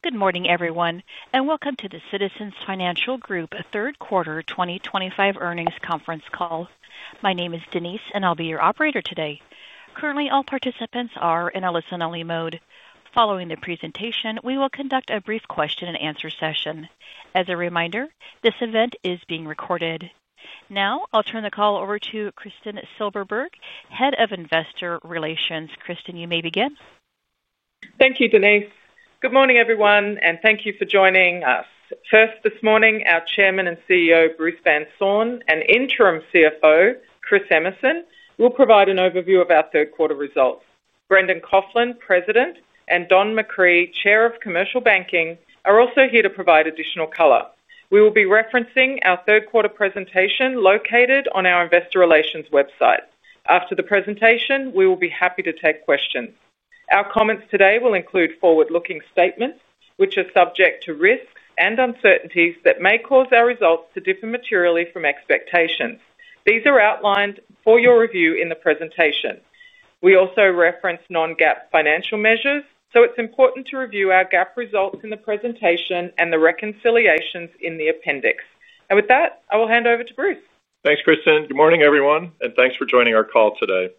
Good morning, everyone, and welcome to the Citizens Financial Group Third Quarter 2025 Earnings Conference Call. My name is Denise, and I'll be your operator today. Currently, all participants are in a listen-only mode. Following the presentation, we will conduct a brief question and answer session. As a reminder, this event is being recorded. Now, I'll turn the call over to Kristin Silberberg, Head of Investor Relations. Kristin, you may begin. Thank you, Denise. Good morning, everyone, and thank you for joining us. First this morning, our Chairman and CEO, Bruce Van Saun, and Interim CFO, Chris Emerson, will provide an overview of our third quarter results. Brendan Coughlin, President, and Don McCree, Chair of Commercial Banking, are also here to provide additional color. We will be referencing our third quarter presentation located on our Investor Relations website. After the presentation, we will be happy to take questions. Our comments today will include forward-looking statements, which are subject to risks and uncertainties that may cause our results to differ materially from expectations. These are outlined for your review in the presentation. We also reference non-GAAP financial measures, so it's important to review our GAAP results in the presentation and the reconciliations in the appendix. With that, I will hand over to Bruce. Thanks, Kristin. Good morning, everyone, and thanks for joining our call today.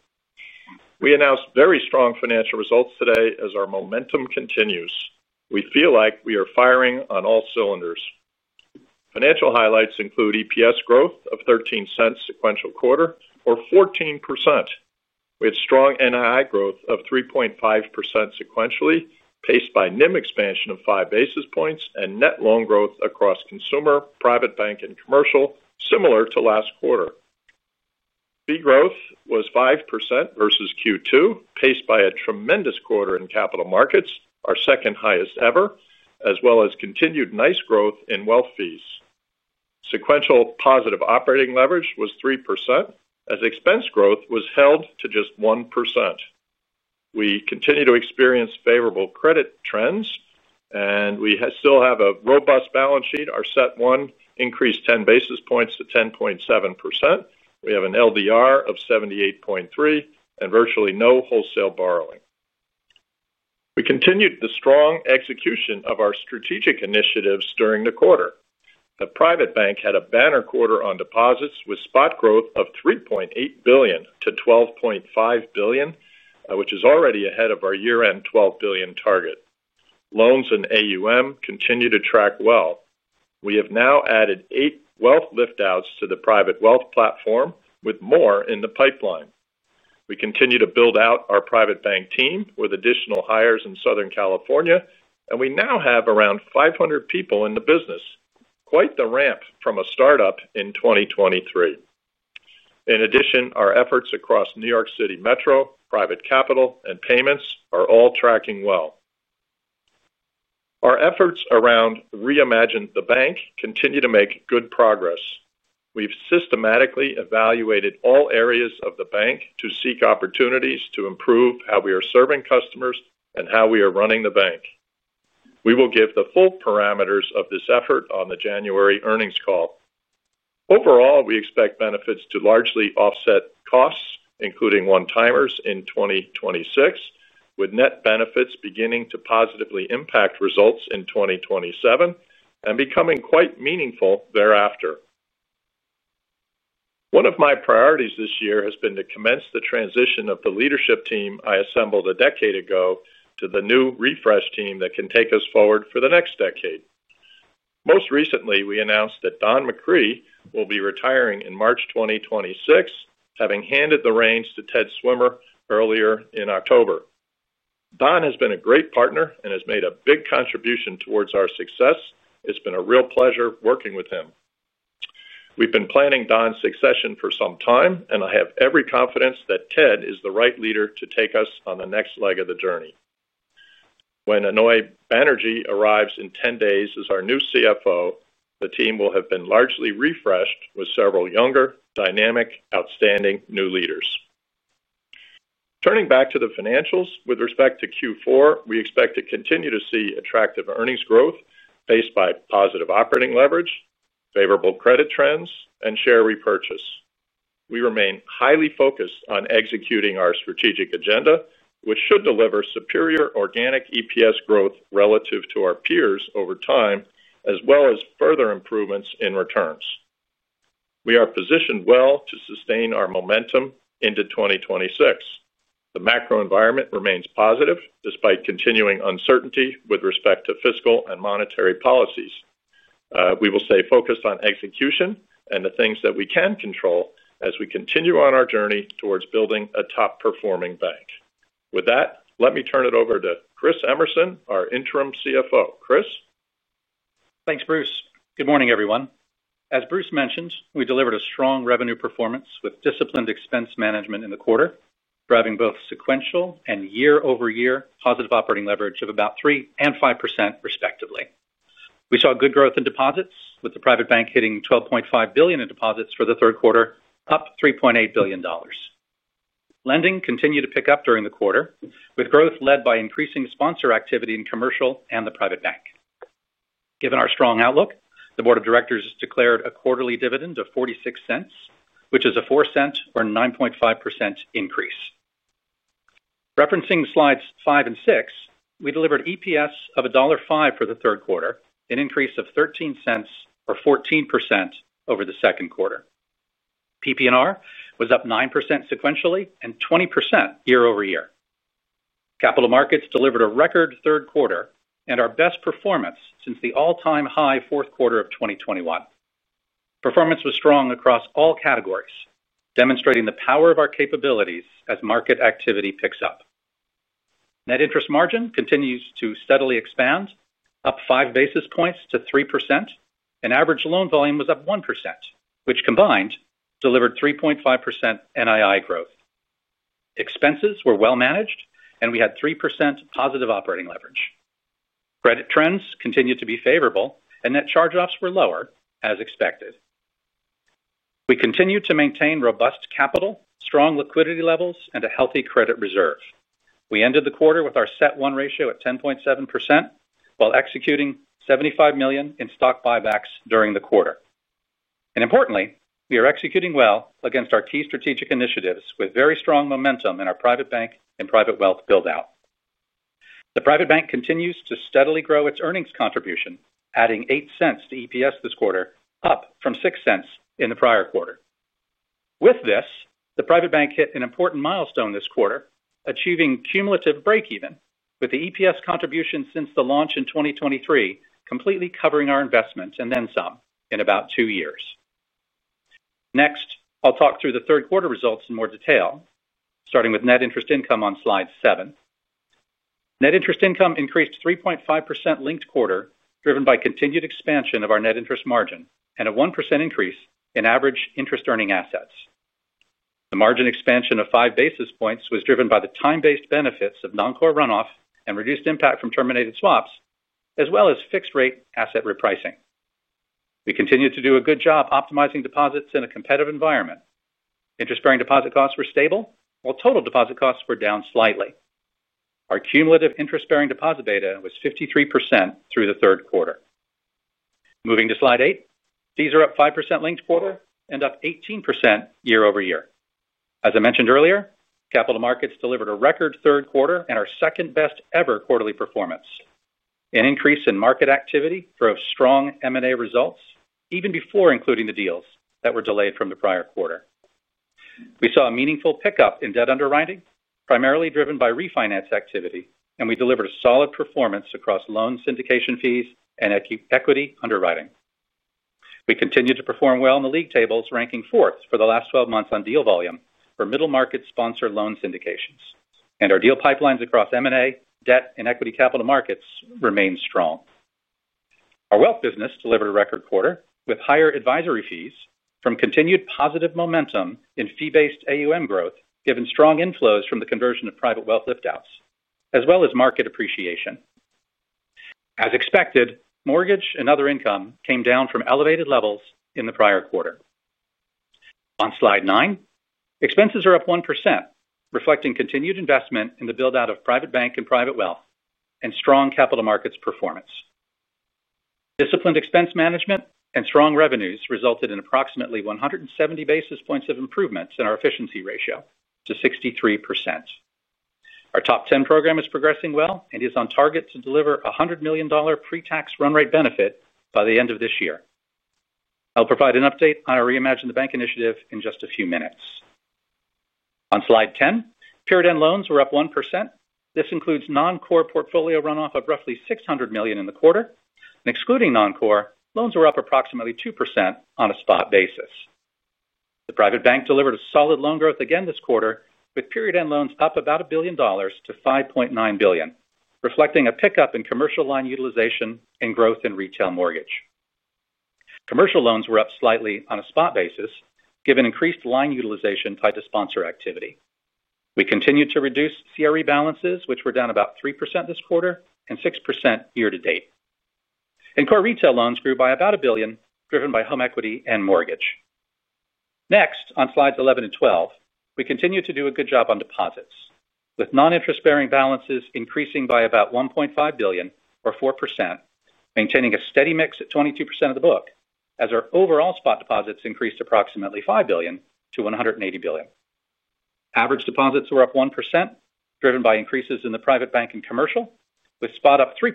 We announced very strong financial results today as our momentum continues. We feel like we are firing on all cylinders. Financial highlights include EPS growth of $0.13 sequential quarter, or 14%. We had strong NII growth of 3.5% sequentially, paced by NIM expansion of 5 basis points and net loan growth across consumer, private bank, and commercial, similar to last quarter. Fee growth was 5% versus Q2, paced by a tremendous quarter in capital markets, our second highest ever, as well as continued nice growth in wealth fees. Sequential positive operating leverage was 3%, as expense growth was held to just 1%. We continue to experience favorable credit trends, and we still have a robust balance sheet. Our CET1 increased 10 basis points to 10.7%. We have an LDR of 78.3% and virtually no wholesale borrowing. We continued the strong execution of our strategic initiatives during the quarter. The private bank had a banner quarter on deposits with spot growth of $3.8 billion to $12.5 billion, which is already ahead of our year-end $12 billion target. Loans and AUM continue to track well. We have now added eight wealth liftouts to the private wealth platform, with more in the pipeline. We continue to build out our private bank team with additional hires in Southern California, and we now have around 500 people in the business, quite the ramp from a startup in 2023. In addition, our efforts across New York City Metro, private capital, and payments are all tracking well. Our efforts around Reimagine the Bank continue to make good progress. We've systematically evaluated all areas of the bank to seek opportunities to improve how we are serving customers and how we are running the bank. We will give the full parameters of this effort on the January earnings call. Overall, we expect benefits to largely offset costs, including one-timers in 2026, with net benefits beginning to positively impact results in 2027 and becoming quite meaningful thereafter. One of my priorities this year has been to commence the transition of the leadership team I assembled a decade ago to the new refresh team that can take us forward for the next decade. Most recently, we announced that Don McCree will be retiring in March 2026, having handed the reins to Ted Swimmer earlier in October. Don has been a great partner and has made a big contribution towards our success. It's been a real pleasure working with him. We've been planning Don's succession for some time, and I have every confidence that Ted Swimmer is the right leader to take us on the next leg of the journey. When Aunoj Banerjee arrives in 10 days as our new CFO, the team will have been largely refreshed with several younger, dynamic, outstanding new leaders. Turning back to the financials, with respect to Q4, we expect to continue to see attractive earnings growth paced by positive operating leverage, favorable credit trends, and share repurchase. We remain highly focused on executing our strategic agenda, which should deliver superior organic EPS growth relative to our peers over time, as well as further improvements in returns. We are positioned well to sustain our momentum into 2026. The macro environment remains positive despite continuing uncertainty with respect to fiscal and monetary policies. We will stay focused on execution and the things that we can control as we continue on our journey towards building a top-performing bank. With that, let me turn it over to Chris Emerson, our Interim CFO. Chris? Thanks, Bruce. Good morning, everyone. As Bruce mentioned, we delivered a strong revenue performance with disciplined expense management in the quarter, driving both sequential and year-over-year positive operating leverage of about 3% and 5%, respectively. We saw good growth in deposits, with the private bank hitting $12.5 billion in deposits for the third quarter, up $3.8 billion. Lending continued to pick up during the quarter, with growth led by increasing sponsor activity in commercial and the private bank. Given our strong outlook, the Board of Directors has declared a quarterly dividend of $0.46, which is a $0.04 or 9.5% increase. Referencing slides five and six, we delivered EPS of $1.50 for the third quarter, an increase of $0.13 or 14% over the second quarter. PPNR was up 9% sequentially and 20% year-over-year. Capital markets delivered a record third quarter and our best performance since the all-time high fourth quarter of 2021. Performance was strong across all categories, demonstrating the power of our capabilities as market activity picks up. Net interest margin continues to steadily expand, up 5 basis points to 3%, and average loan volume was up 1%, which combined delivered 3.5% NII growth. Expenses were well managed, and we had 3% positive operating leverage. Credit trends continued to be favorable, and net charge-offs were lower, as expected. We continue to maintain robust capital, strong liquidity levels, and a healthy credit reserve. We ended the quarter with our CET1 ratio at 10.7%, while executing $75 million in stock buybacks during the quarter. Importantly, we are executing well against our key strategic initiatives with very strong momentum in our private bank and private wealth buildout. The private bank continues to steadily grow its earnings contribution, adding $0.08 to EPS this quarter, up from $0.06 in the prior quarter. With this, the private bank hit an important milestone this quarter, achieving cumulative breakeven, with the EPS contribution since the launch in 2023 completely covering our investments and then some in about two years. Next, I'll talk through the third quarter results in more detail, starting with net interest income on slide seven. Net interest income increased 3.5% linked quarter, driven by continued expansion of our net interest margin and a 1% increase in average interest-earning assets. The margin expansion of 5 basis points was driven by the time-based benefits of Non-Core runoff and reduced impact from terminated swaps, as well as fixed-rate asset repricing. We continued to do a good job optimizing deposits in a competitive environment. Interest-bearing deposit costs were stable, while total deposit costs were down slightly. Our cumulative interest-bearing deposit beta was 53% through the third quarter. Moving to slide eight, fees are up 5% linked quarter and up 18% year-over-year. As I mentioned earlier, capital markets delivered a record third quarter and our second best-ever quarterly performance. An increase in market activity drove strong M&A results even before including the deals that were delayed from the prior quarter. We saw a meaningful pickup in debt underwriting, primarily driven by refinance activity, and we delivered a solid performance across loan syndication fees and equity underwriting. We continued to perform well in the league tables, ranking fourth for the last 12 months on deal volume for middle-market sponsor loan syndications, and our deal pipelines across M&A, debt, and equity capital markets remained strong. Our wealth business delivered a record quarter with higher advisory fees from continued positive momentum in fee-based AUM growth, given strong inflows from the conversion of private wealth liftouts, as well as market appreciation. As expected, mortgage and other income came down from elevated levels in the prior quarter. On slide nine, expenses are up 1%, reflecting continued investment in the buildout of private bank and private wealth and strong capital markets performance. Disciplined expense management and strong revenues resulted in approximately 170 basis points of improvements in our efficiency ratio to 63%. Our Top 10 program is progressing well and is on target to deliver a $100 million pre-tax run-rate benefit by the end of this year. I'll provide an update on our Reimagine the Bank initiative in just a few minutes. On slide 10, period end loans were up 1%. This includes Non-Core portfolio runoff of roughly $600 million in the quarter, and excluding Non-Core, loans were up approximately 2% on a spot basis. The private bank delivered a solid loan growth again this quarter, with period end loans up about $1 billion to $5.9 billion, reflecting a pickup in commercial line utilization and growth in retail mortgage. Commercial loans were up slightly on a spot basis, given increased line utilization tied to sponsor activity. We continued to reduce CRE balances, which were down about 3% this quarter and 6% year to date. Core retail loans grew by about $1 billion, driven by home equity and mortgage. Next, on slides 11 and 12, we continued to do a good job on deposits, with non-interest-bearing balances increasing by about $1.5 billion or 4%, maintaining a steady mix at 22% of the book, as our overall spot deposits increased approximately $5 billion to $180 billion. Average deposits were up 1%, driven by increases in the private bank and commercial, with spot up 3%,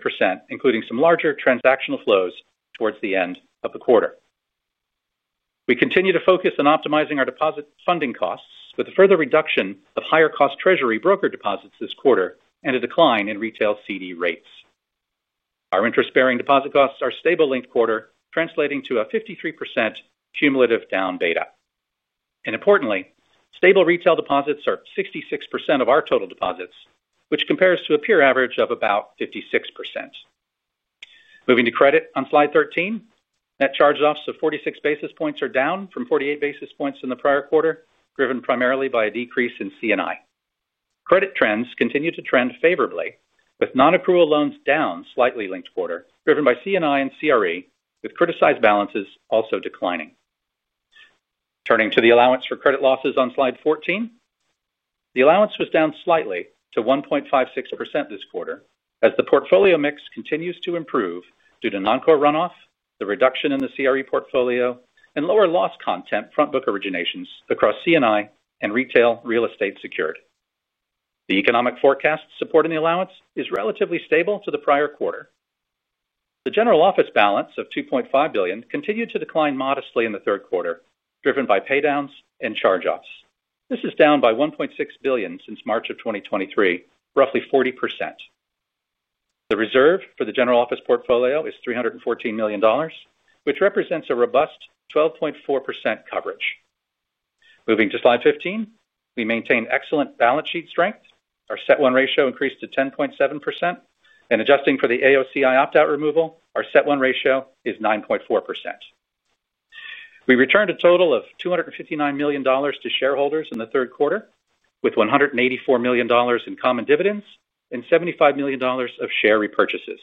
including some larger transactional flows towards the end of the quarter. We continue to focus on optimizing our deposit funding costs, with a further reduction of higher-cost treasury broker deposits this quarter and a decline in retail CD rates. Our interest-bearing deposit costs are stable linked quarter, translating to a 53% cumulative down beta. Importantly, stable retail deposits are 66% of our total deposits, which compares to a peer average of about 56%. Moving to credit on slide 13, net charge-offs of 46 basis points are down from 48 basis points in the prior quarter, driven primarily by a decrease in CNI. Credit trends continue to trend favorably, with non-accrual loans down slightly linked quarter, driven by CNI and CRE, with criticized balances also declining. Turning to the allowance for credit losses on slide 14, the allowance was down slightly to 1.56% this quarter, as the portfolio mix continues to improve due to Non-Core runoff, the reduction in the CRE portfolio, and lower loss content frontbook originations across CNI and retail real estate secured. The economic forecast supporting the allowance is relatively stable to the prior quarter. The general office balance of $2.5 billion continued to decline modestly in the third quarter, driven by paydowns and charge-offs. This is down by $1.6 billion since March of 2023, roughly 40%. The reserve for the general office portfolio is $314 million, which represents a robust 12.4% coverage. Moving to slide 15, we maintain excellent balance sheet strength. Our CET1 ratio increased to 10.7%, and adjusting for the AOCI opt-out removal, our CET1 ratio is 9.4%. We returned a total of $259 million to shareholders in the third quarter, with $184 million in common dividends and $75 million of share repurchases.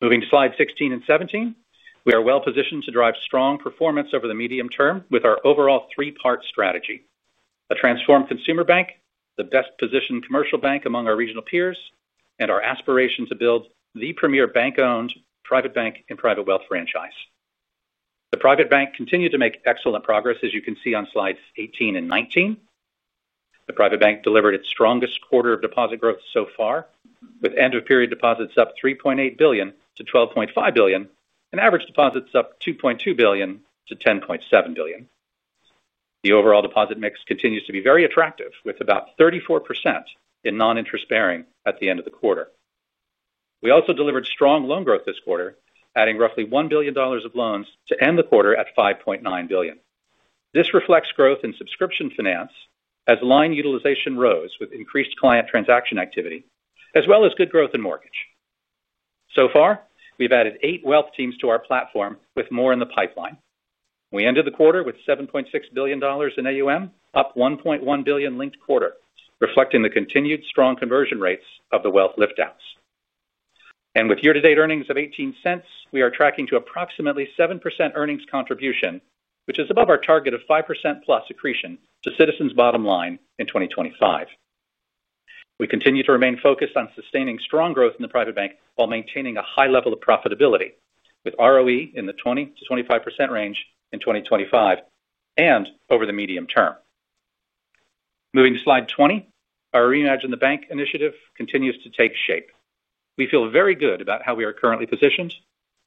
Moving to slides 16 and 17, we are well positioned to drive strong performance over the medium term with our overall three-part strategy: a transformed consumer bank, the best-positioned commercial bank among our regional peers, and our aspiration to build the premier bank-owned private bank and private wealth franchise. The private bank continued to make excellent progress, as you can see on slides 18 and 19. The private bank delivered its strongest quarter of deposit growth so far, with end-of-period deposits up $3.8 billion to $12.5 billion and average deposits up $2.2 billion to $10.7 billion. The overall deposit mix continues to be very attractive, with about 34% in non-interest bearing at the end of the quarter. We also delivered strong loan growth this quarter, adding roughly $1 billion of loans to end the quarter at $5.9 billion. This reflects growth in subscription finance, as line utilization rose with increased client transaction activity, as well as good growth in mortgage. We have added eight wealth teams to our platform, with more in the pipeline. We ended the quarter with $7.6 billion in AUM, up $1.1 billion linked quarter, reflecting the continued strong conversion rates of the wealth liftouts. With year-to-date earnings of $0.18, we are tracking to approximately 7% earnings contribution, which is above our target of 5%+ accretion to Citizens Financial Group bottom line in 2025. We continue to remain focused on sustaining strong growth in the private bank while maintaining a high level of profitability, with ROE in the 20%-25% range in 2025 and over the medium term. Moving to slide 20, our Reimagine the Bank initiative continues to take shape. We feel very good about how we are currently positioned.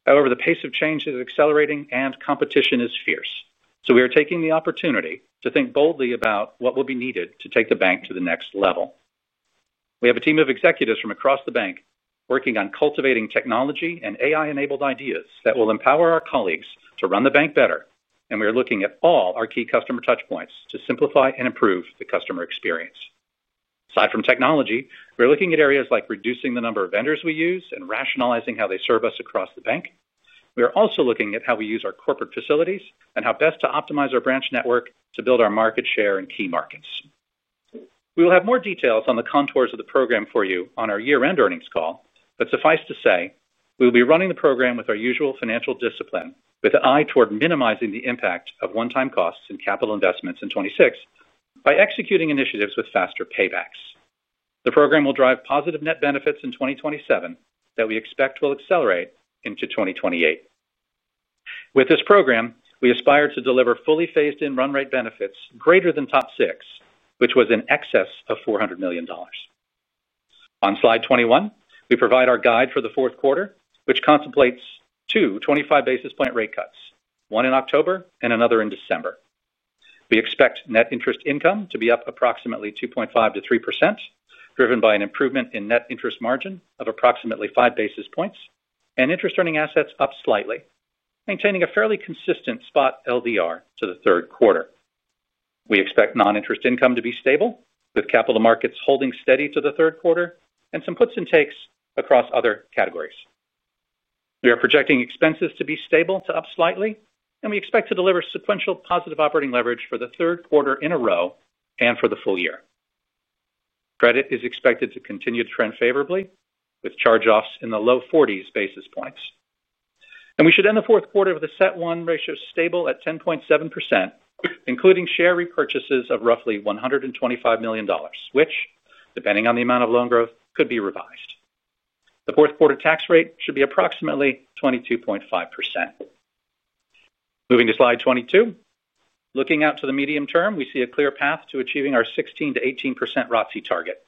However, the pace of change is accelerating and competition is fierce, so we are taking the opportunity to think boldly about what will be needed to take the bank to the next level. We have a team of executives from across the bank working on cultivating technology and AI-enabled ideas that will empower our colleagues to run the bank better, and we are looking at all our key customer touchpoints to simplify and improve the customer experience. Aside from technology, we are looking at areas like reducing the number of vendors we use and rationalizing how they serve us across the bank. We are also looking at how we use our corporate facilities and how best to optimize our branch network to build our market share in key markets. We will have more details on the contours of the program for you on our year-end earnings call, but suffice to say, we will be running the program with our usual financial discipline, with an eye toward minimizing the impact of one-time costs and capital investments in 2026 by executing initiatives with faster paybacks. The program will drive positive net benefits in 2027 that we expect will accelerate into 2028. With this program, we aspire to deliver fully phased-in run-rate benefits greater than Top 6, which was in excess of $400 million. On slide 21, we provide our guide for the fourth quarter, which contemplates two 25 basis point rate cuts, one in October and another in December. We expect net interest income to be up approximately 2.5%-3%, driven by an improvement in net interest margin of approximately 5 basis points and interest-earning assets up slightly, maintaining a fairly consistent spot LDR to the third quarter. We expect non-interest income to be stable, with capital markets holding steady to the third quarter and some puts and takes across other categories. We are projecting expenses to be stable to up slightly, and we expect to deliver sequential positive operating leverage for the third quarter in a row and for the full year. Credit is expected to continue to trend favorably, with charge-offs in the low 40s basis points. We should end the fourth quarter with a CET1 ratio stable at 10.7%, including share repurchases of roughly $125 million, which, depending on the amount of loan growth, could be revised. The fourth quarter tax rate should be approximately 22.5%. Moving to slide 22, looking out to the medium term, we see a clear path to achieving our 16%-18% ROTCE target.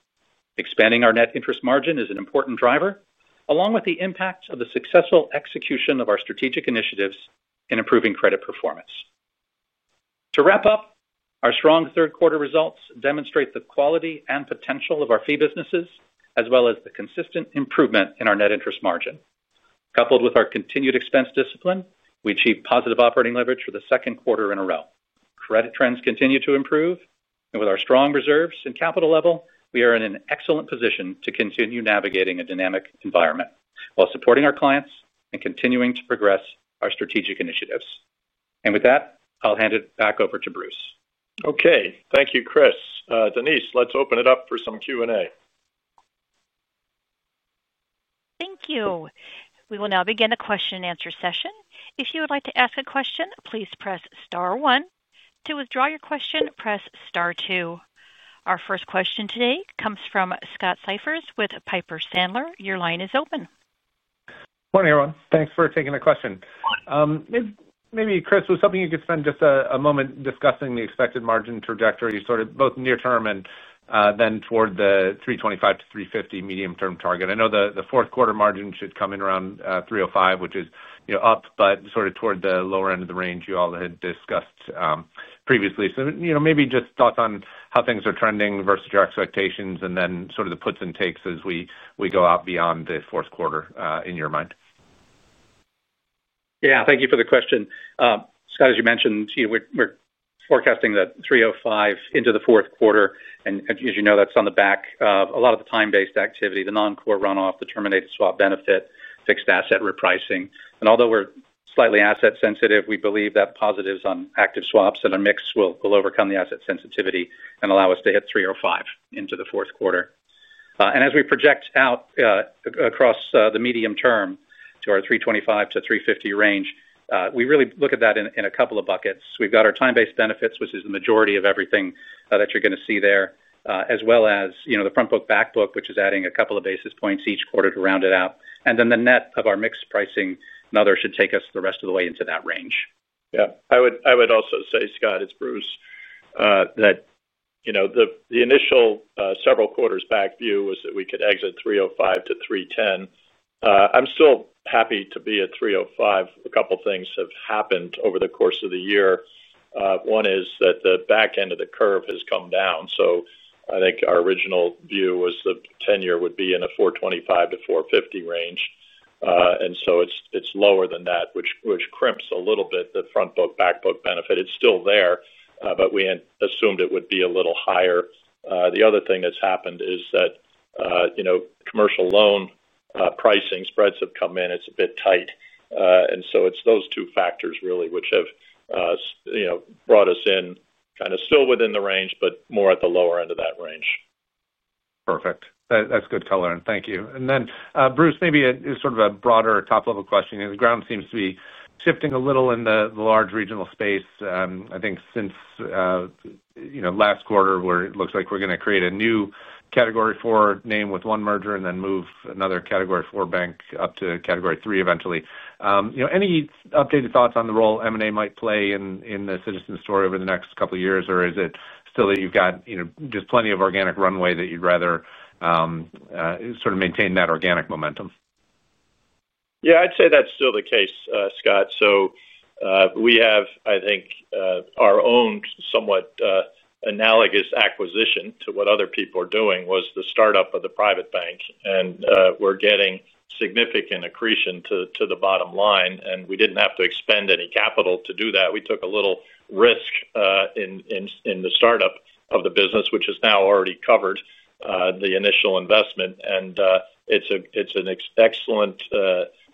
Expanding our net interest margin is an important driver, along with the impact of the successful execution of our strategic initiatives in improving credit performance. To wrap up, our strong third-quarter results demonstrate the quality and potential of our fee businesses, as well as the consistent improvement in our net interest margin. Coupled with our continued expense discipline, we achieve positive operating leverage for the second quarter in a row. Credit trends continue to improve, and with our strong reserves and capital level, we are in an excellent position to continue navigating a dynamic environment while supporting our clients and continuing to progress our strategic initiatives. I'll hand it back over to Bruce. Okay. Thank you, Chris. Denise, let's open it up for some Q&A. Thank you. We will now begin the question and answer session. If you would like to ask a question, please press star one. To withdraw your question, press star two. Our first question today comes from Scott Siefers with Piper Sandler. Your line is open. Morning, everyone. Thanks for taking the question. Maybe, Chris, if you could spend just a moment discussing the expected margin trajectory, both near-term and then toward the $325-$350 medium-term target. I know the fourth quarter margin should come in around $305, which is up, but toward the lower end of the range you all had discussed previously. Maybe just thoughts on how things are trending versus your expectations and the puts and takes as we go out beyond the fourth quarter in your mind. Yeah, thank you for the question. Scott, as you mentioned, we're forecasting that $305 into the fourth quarter, and as you know, that's on the back of a lot of the time-based activity, the Non-Core runoff, the terminated swap benefit, fixed asset repricing. Although we're slightly asset-sensitive, we believe that positives on active swaps and our mix will overcome the asset sensitivity and allow us to hit $305 into the fourth quarter. As we project out across the medium term to our $325-$350 range, we really look at that in a couple of buckets. We've got our time-based benefits, which is the majority of everything that you're going to see there, as well as the frontbook, backbook, which is adding a couple of basis points each quarter to round it out. The net of our mixed pricing, nother, should take us the rest of the way into that range. Yeah, I would also say, Scott, it's Bruce, that the initial several quarters back view was that we could exit $305-$310. I'm still happy to be at $305. A couple of things have happened over the course of the year. One is that the back end of the curve has come down. I think our original view was the 10-year would be in the $425-$450 range, and it's lower than that, which crimps a little bit the frontbook, backbook benefit. It's still there, but we assumed it would be a little higher. The other thing that's happened is that commercial loan pricing spreads have come in. It's a bit tight, and it's those two factors, really, which have brought us in kind of still within the range, but more at the lower end of that range. Perfect. That's good color, and thank you. Bruce, maybe it's sort of a broader top-level question. The ground seems to be shifting a little in the large regional space. I think since last quarter, it looks like we're going to create a new Category IV name with one merger and then move another Category IV bank up to Category III eventually. Any updated thoughts on the role M&A might play in the Citizens story over the next couple of years, or is it still that you've got just plenty of organic runway that you'd rather sort of maintain that organic momentum? Yeah, I'd say that's still the case, Scott. We have, I think, our own somewhat analogous acquisition to what other people are doing, which was the startup of the private bank, and we're getting significant accretion to the bottom line. We didn't have to expend any capital to do that. We took a little risk in the startup of the business, which has now already covered the initial investment. It's an excellent,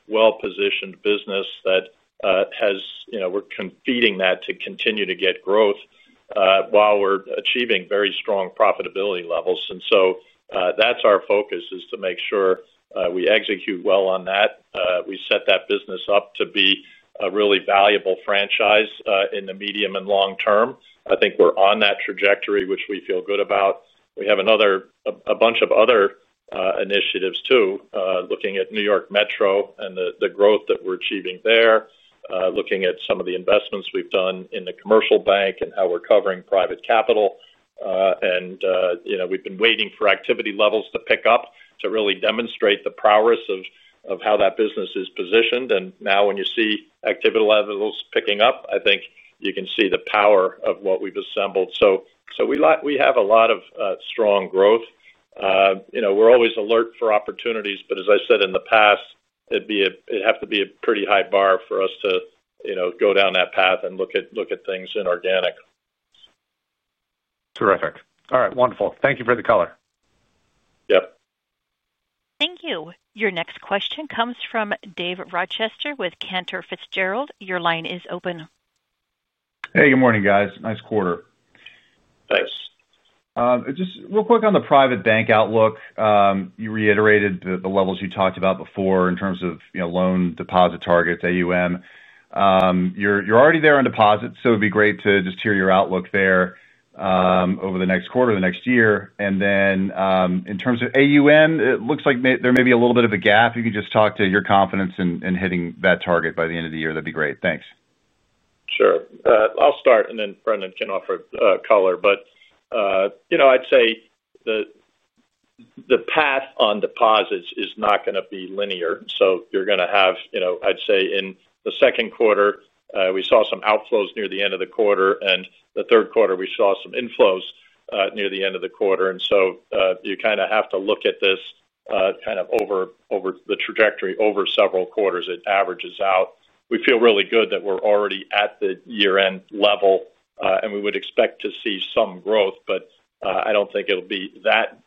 well-positioned business that we're feeding to continue to get growth while we're achieving very strong profitability levels. That's our focus, to make sure we execute well on that. We set that business up to be a really valuable franchise in the medium and long term. I think we're on that trajectory, which we feel good about. We have a bunch of other initiatives, too, looking at New York Metro and the growth that we're achieving there, looking at some of the investments we've done in the commercial bank and how we're covering private capital. We've been waiting for activity levels to pick up to really demonstrate the prowess of how that business is positioned. Now, when you see activity levels picking up, I think you can see the power of what we've assembled. We have a lot of strong growth. We're always alert for opportunities, but as I said in the past, it'd have to be a pretty high bar for us to go down that path and look at things inorganic. Terrific. All right, wonderful. Thank you for the color. Yep. Thank you. Your next question comes from Dave Rochester with Cantor Fitzgerald. Your line is open. Hey, good morning, guys. Nice quarter. Thanks. Just real quick on the private bank outlook, you reiterated the levels you talked about before in terms of loan deposit targets, AUM. You're already there on deposits, so it'd be great to just hear your outlook there over the next quarter, the next year. In terms of AUM, it looks like there may be a little bit of a gap. If you could just talk to your confidence in hitting that target by the end of the year, that'd be great. Thanks. Sure. I'll start, and then Brendan can offer a color. I'd say the path on deposits is not going to be linear. You're going to have, I'd say, in the second quarter, we saw some outflows near the end of the quarter, and the third quarter, we saw some inflows near the end of the quarter. You kind of have to look at this over the trajectory over several quarters. It averages out. We feel really good that we're already at the year-end level, and we would expect to see some growth, but I don't think it'll be that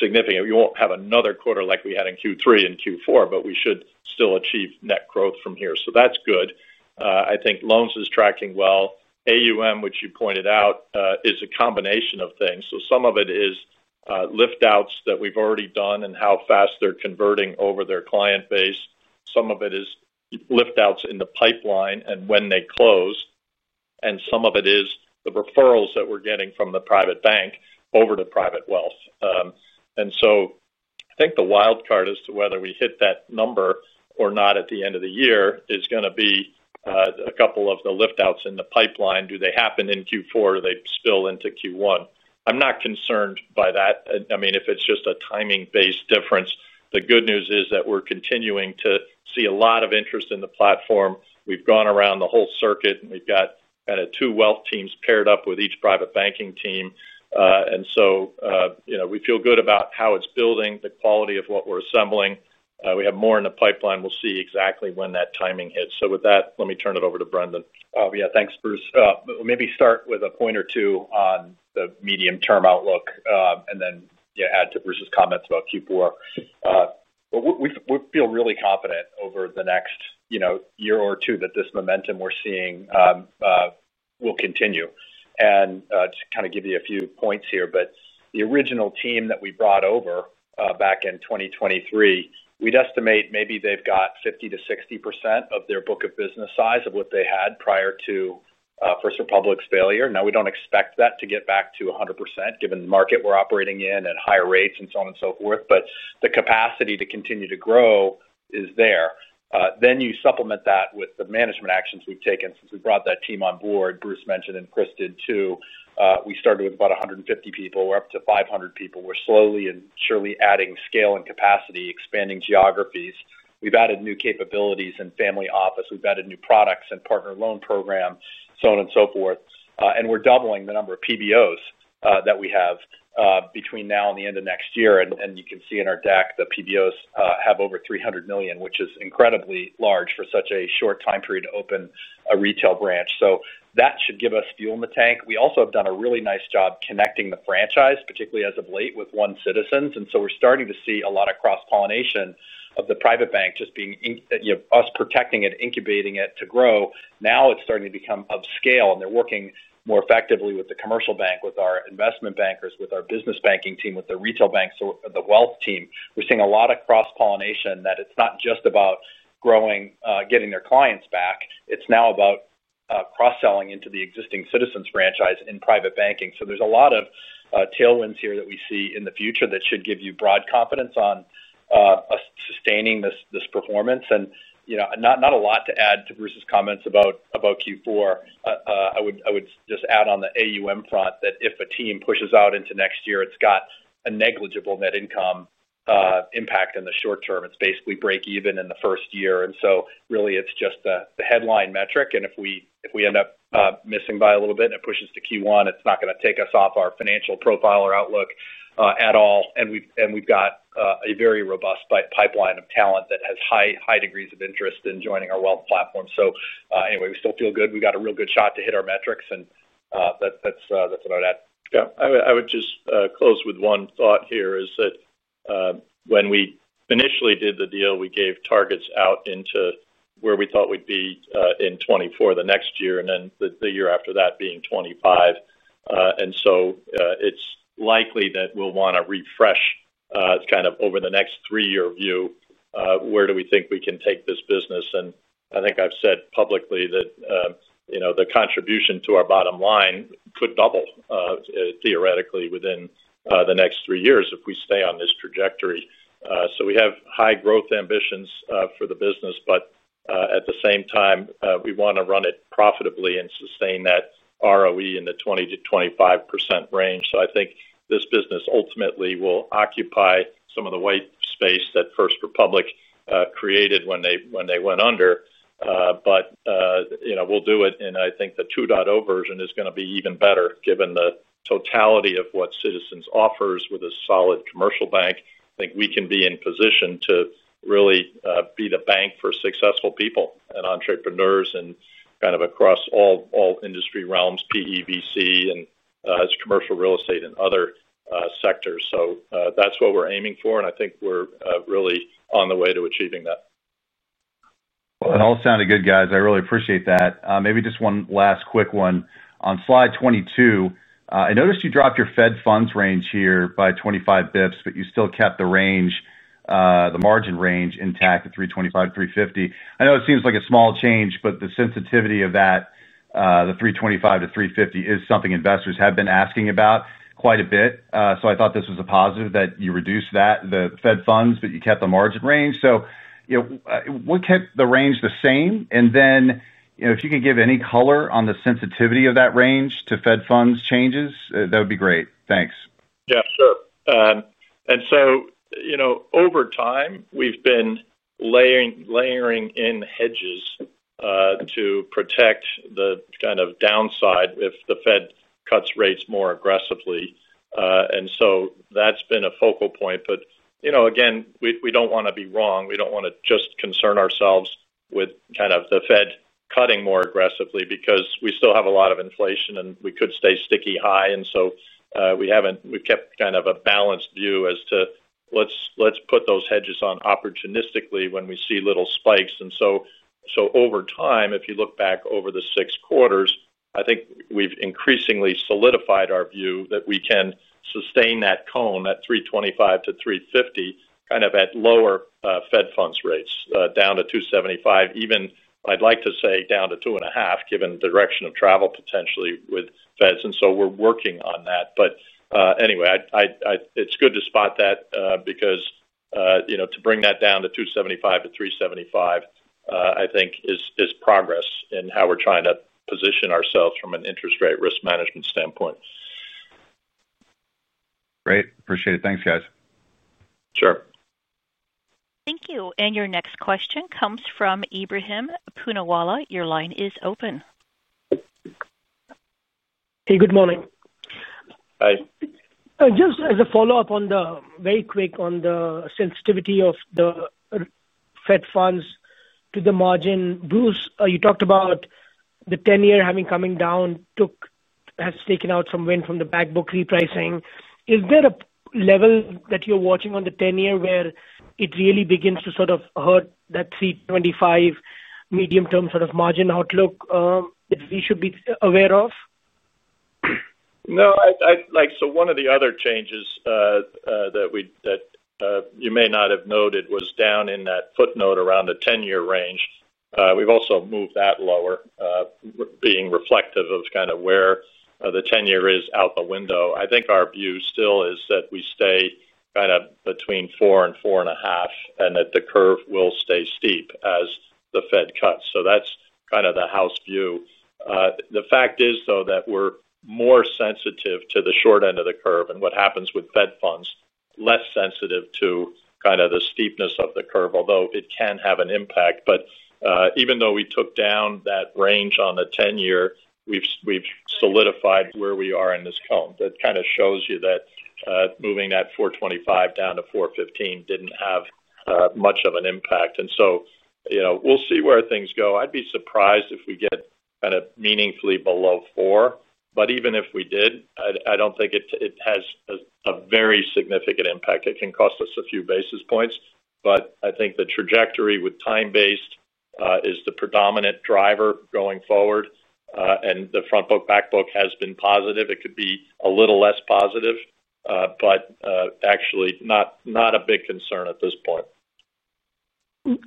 significant. We won't have another quarter like we had in Q3 and Q4, but we should still achieve net growth from here. That's good. I think loans is tracking well. AUM, which you pointed out, is a combination of things. Some of it is liftouts that we've already done and how fast they're converting over their client base. Some of it is liftouts in the pipeline and when they close. Some of it is the referrals that we're getting from the private bank over to private wealth. I think the wild card as to whether we hit that number or not at the end of the year is going to be a couple of the liftouts in the pipeline. Do they happen in Q4? Do they spill into Q1? I'm not concerned by that. I mean, if it's just a timing-based difference, the good news is that we're continuing to see a lot of interest in the platform. We've gone around the whole circuit, and we've got kind of two wealth teams paired up with each private banking team. We feel good about how it's building, the quality of what we're assembling. We have more in the pipeline. We'll see exactly when that timing hits. With that, let me turn it over to Brendan. Oh, yeah, thanks, Bruce. Maybe start with a point or two on the medium-term outlook and then add to Bruce's comments about Q4. We feel really confident over the next year or two that this momentum we're seeing will continue. To kind of give you a few points here, the original team that we brought over back in 2023, we'd estimate maybe they've got 50%-60% of their book of business size of what they had prior to First Republic's failure. We don't expect that to get back to 100% given the market we're operating in and higher rates and so on and so forth, but the capacity to continue to grow is there. You supplement that with the management actions we've taken since we brought that team on board, Bruce mentioned and Kristin too. We started with about 150 people. We're up to 500 people. We're slowly and surely adding scale and capacity, expanding geographies. We've added new capabilities in family office. We've added new products and partner loan programs, so on and so forth. We're doubling the number of PBOs that we have between now and the end of next year. You can see in our deck, the PBOs have over $300 million, which is incredibly large for such a short time period to open a retail branch. That should give us fuel in the tank. We also have done a really nice job connecting the franchise, particularly as of late with One Citizens. We're starting to see a lot of cross-pollination of the private bank just being us protecting it, incubating it to grow. Now it's starting to become of scale, and they're working more effectively with the commercial bank, with our investment bankers, with our business banking team, with the retail banks, the wealth team. We're seeing a lot of cross-pollination that it's not just about growing, getting their clients back. It's now about cross-selling into the existing Citizens franchise in private banking. There are a lot of tailwinds here that we see in the future that should give you broad confidence on sustaining this performance. Not a lot to add to Bruce's comments about Q4. I would just add on the AUM front that if a team pushes out into next year, it's got a negligible net income impact in the short term. It's basically break-even in the first year. Really, it's just the headline metric. If we end up missing by a little bit and it pushes to Q1, it's not going to take us off our financial profile or outlook at all. We've got a very robust pipeline of talent that has high degrees of interest in joining our wealth platform. Anyway, we still feel good. We got a real good shot to hit our metrics, and that's what I'd add. Yeah, I would just close with one thought here, which is that when we initially did the deal, we gave targets out into where we thought we'd be in 2024, the next year, and then the year after that being 2025. It's likely that we'll want to refresh, kind of over the next three-year view, where do we think we can take this business. I think I've said publicly that the contribution to our bottom line could double theoretically within the next three years if we stay on this trajectory. We have high growth ambitions for the business, but at the same time, we want to run it profitably and sustain that ROE in the 20%-25% range. I think this business ultimately will occupy some of the white space that First Republic created when they went under. We'll do it, and I think the 2.0 version is going to be even better given the totality of what Citizens Financial Group offers with a solid commercial bank. I think we can be in position to really be the bank for successful people and entrepreneurs and kind of across all industry realms, PEVC, and commercial real estate and other sectors. That's what we're aiming for, and I think we're really on the way to achieving that. It all sounded good, guys. I really appreciate that. Maybe just one last quick one. On slide 22, I noticed you dropped your Fed funds range here by 25 bps, but you still kept the margin range intact at $325-$350. I know it seems like a small change, but the sensitivity of that, the $325-$350, is something investors have been asking about quite a bit. I thought this was a positive that you reduced that, the Fed funds, but you kept the margin range. What kept the range the same? If you could give any color on the sensitivity of that range to Fed funds changes, that would be great. Thanks. Yeah, sure. Over time, we've been layering in hedges to protect the downside if the Fed cuts rates more aggressively. That's been a focal point. We don't want to be wrong. We don't want to just concern ourselves with the Fed cutting more aggressively because we still have a lot of inflation and we could stay sticky high. We've kept a balanced view as to let's put those hedges on opportunistically when we see little spikes. Over time, if you look back over the six quarters, I think we've increasingly solidified our view that we can sustain that cone at $325-$350, at lower Fed funds rates, down to $275, even I'd like to say down to $2.5 given the direction of travel potentially with Feds. We're working on that. It's good to spot that because to bring that down to $275-$375, I think, is progress in how we're trying to position ourselves from an interest rate risk management standpoint. Great. Appreciate it. Thanks, guys. Sure. Thank you. Your next question comes from Ebrahim Poonawala. Your line is open. Hey, good morning. Hi. Just as a follow-up on the very quick on the sensitivity of the Fed funds to the margin, Bruce, you talked about the 10-year having coming down has taken out some wind from the backbook repricing. Is there a level that you're watching on the 10-year where it really begins to sort of hurt that $325 medium-term sort of margin outlook that we should be aware of? No. One of the other changes that you may not have noted was down in that footnote around the 10-year range. We've also moved that lower, being reflective of kind of where the 10-year is out the window. I think our view still is that we stay kind of between 4% and 4.5% and that the curve will stay steep as the Fed cuts. That's kind of the house view. The fact is, though, that we're more sensitive to the short end of the curve and what happens with Fed funds, less sensitive to kind of the steepness of the curve, although it can have an impact. Even though we took down that range on the 10-year, we've solidified where we are in this cone. That kind of shows you that moving that $425 down to $415 didn't have much of an impact. We'll see where things go. I'd be surprised if we get kind of meaningfully below 4%. Even if we did, I don't think it has a very significant impact. It can cost us a few basis points. I think the trajectory with time-based is the predominant driver going forward. The frontbook, backbook has been positive. It could be a little less positive, but actually not a big concern at this point.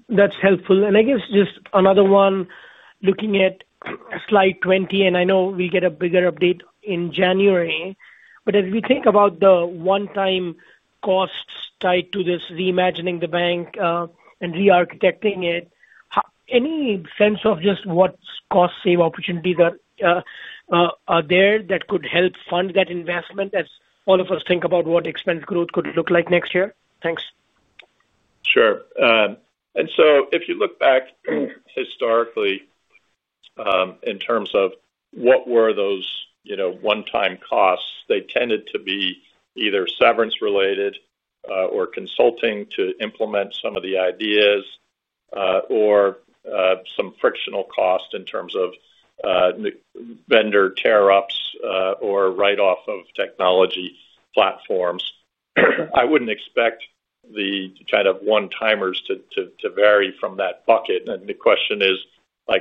That's helpful. I guess just another one, looking at slide 20, and I know we'll get a bigger update in January. As we think about the one-time costs tied to this Reimagine the Bank and re-architecting it, any sense of just what cost-save opportunities are there that could help fund that investment as all of us think about what expense growth could look like next year? Thanks. Sure. If you look back historically in terms of what were those one-time costs, they tended to be either severance-related or consulting to implement some of the ideas or some frictional cost in terms of vendor tear-offs or write-off of technology platforms. I wouldn't expect the kind of one-timers to vary from that bucket. The question is,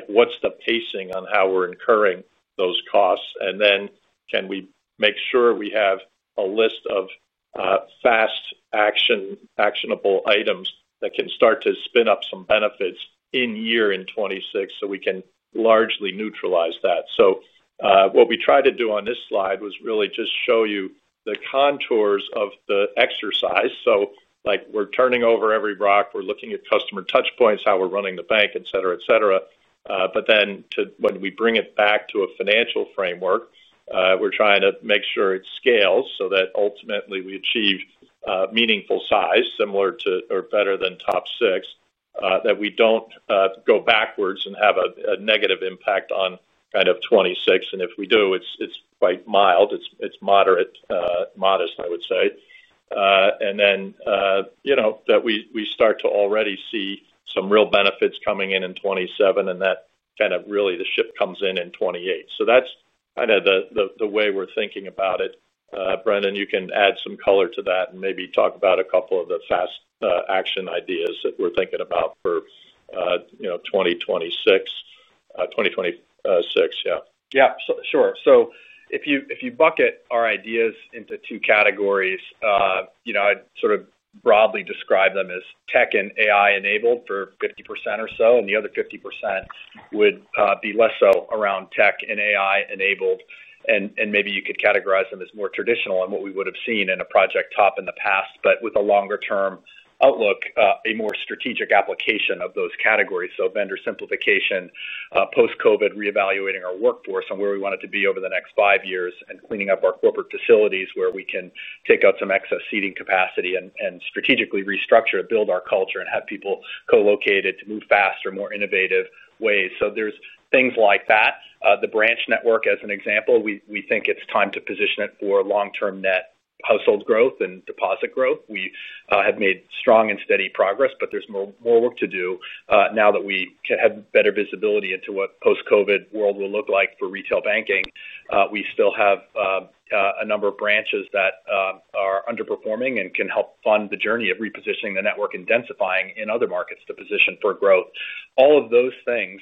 what's the pacing on how we're incurring those costs? Can we make sure we have a list of fast actionable items that can start to spin up some benefits in year in 2026 so we can largely neutralize that? What we tried to do on this slide was really just show you the contours of the exercise. We're turning over every rock. We're looking at customer touchpoints, how we're running the bank, etc., etc. When we bring it back to a financial framework, we're trying to make sure it scales so that ultimately we achieve meaningful size, similar to or better than Top 6, that we don't go backwards and have a negative impact on kind of 2026. If we do, it's quite mild. It's moderate, modest, I would say. We start to already see some real benefits coming in in 2027, and that kind of really the ship comes in in 2028. That's kind of the way we're thinking about it. Brendan, you can add some color to that and maybe talk about a couple of the fast action ideas that we're thinking about for 2026. 2026, yeah. Yeah, sure. If you bucket our ideas into two categories, I'd sort of broadly describe them as tech and AI-enabled for 50% or so, and the other 50% would be less so around tech and AI-enabled. Maybe you could categorize them as more traditional and what we would have seen in a project top in the past, but with a longer-term outlook, a more strategic application of those categories. Vendor simplification, post-COVID reevaluating our workforce and where we want it to be over the next five years, and cleaning up our corporate facilities where we can take out some excess seating capacity and strategically restructure to build our culture and have people co-located to move faster and more innovative ways. There are things like that. The branch network, as an example, we think it's time to position it for long-term net household growth and deposit growth. We have made strong and steady progress, but there's more work to do now that we have better visibility into what the post-COVID world will look like for retail banking. We still have a number of branches that are underperforming and can help fund the journey of repositioning the network and densifying in other markets to position for growth. All of those things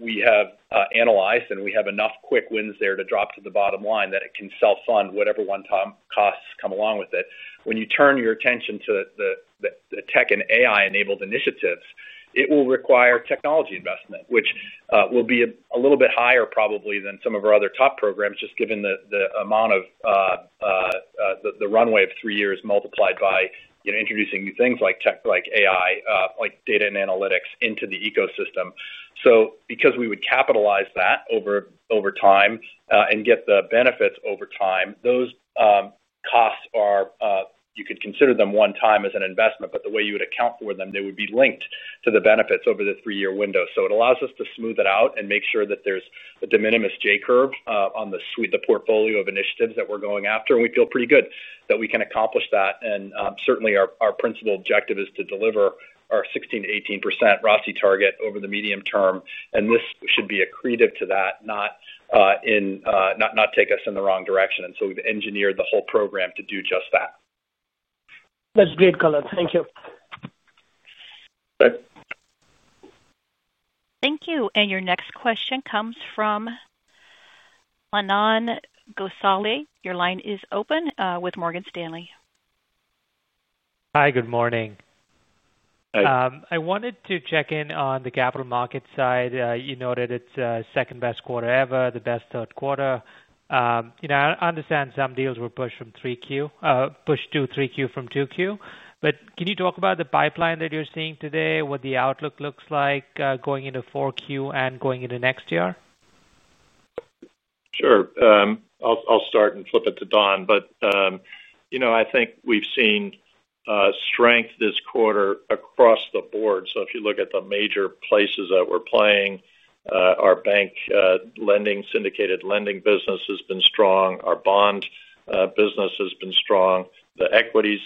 we have analyzed, and we have enough quick wins there to drop to the bottom line that it can self-fund whatever one-time costs come along with it. When you turn your attention to the tech and AI-enabled initiatives, it will require technology investment, which will be a little bit higher probably than some of our other top programs, just given the amount of the runway of three years multiplied by introducing new things like AI, like data and analytics into the ecosystem. Because we would capitalize that over time and get the benefits over time, those costs are, you could consider them one-time as an investment, but the way you would account for them, they would be linked to the benefits over the three-year window. It allows us to smooth it out and make sure that there's a de minimis J curve on the portfolio of initiatives that we're going after. We feel pretty good that we can accomplish that. Certainly, our principal objective is to deliver our 16%-18% ROTCE target over the medium term. This should be accretive to that, not take us in the wrong direction. We've engineered the whole program to do just that. That's great color. Thank you. Thanks. Thank you. Your next question comes from Manan Gosalia. Your line is open with Morgan Stanley. Hi, good morning. Hi. I wanted to check in on the capital markets side. You noted it's the second best quarter ever, the best third quarter. I understand some deals were pushed to 3Q from 2Q. Can you talk about the pipeline that you're seeing today, what the outlook looks like going into 4Q and going into next year? Sure. I'll start and flip it to Don. I think we've seen strength this quarter across the board. If you look at the major places that we're playing, our bank lending, syndicated lending business has been strong. Our bond business has been strong. The equities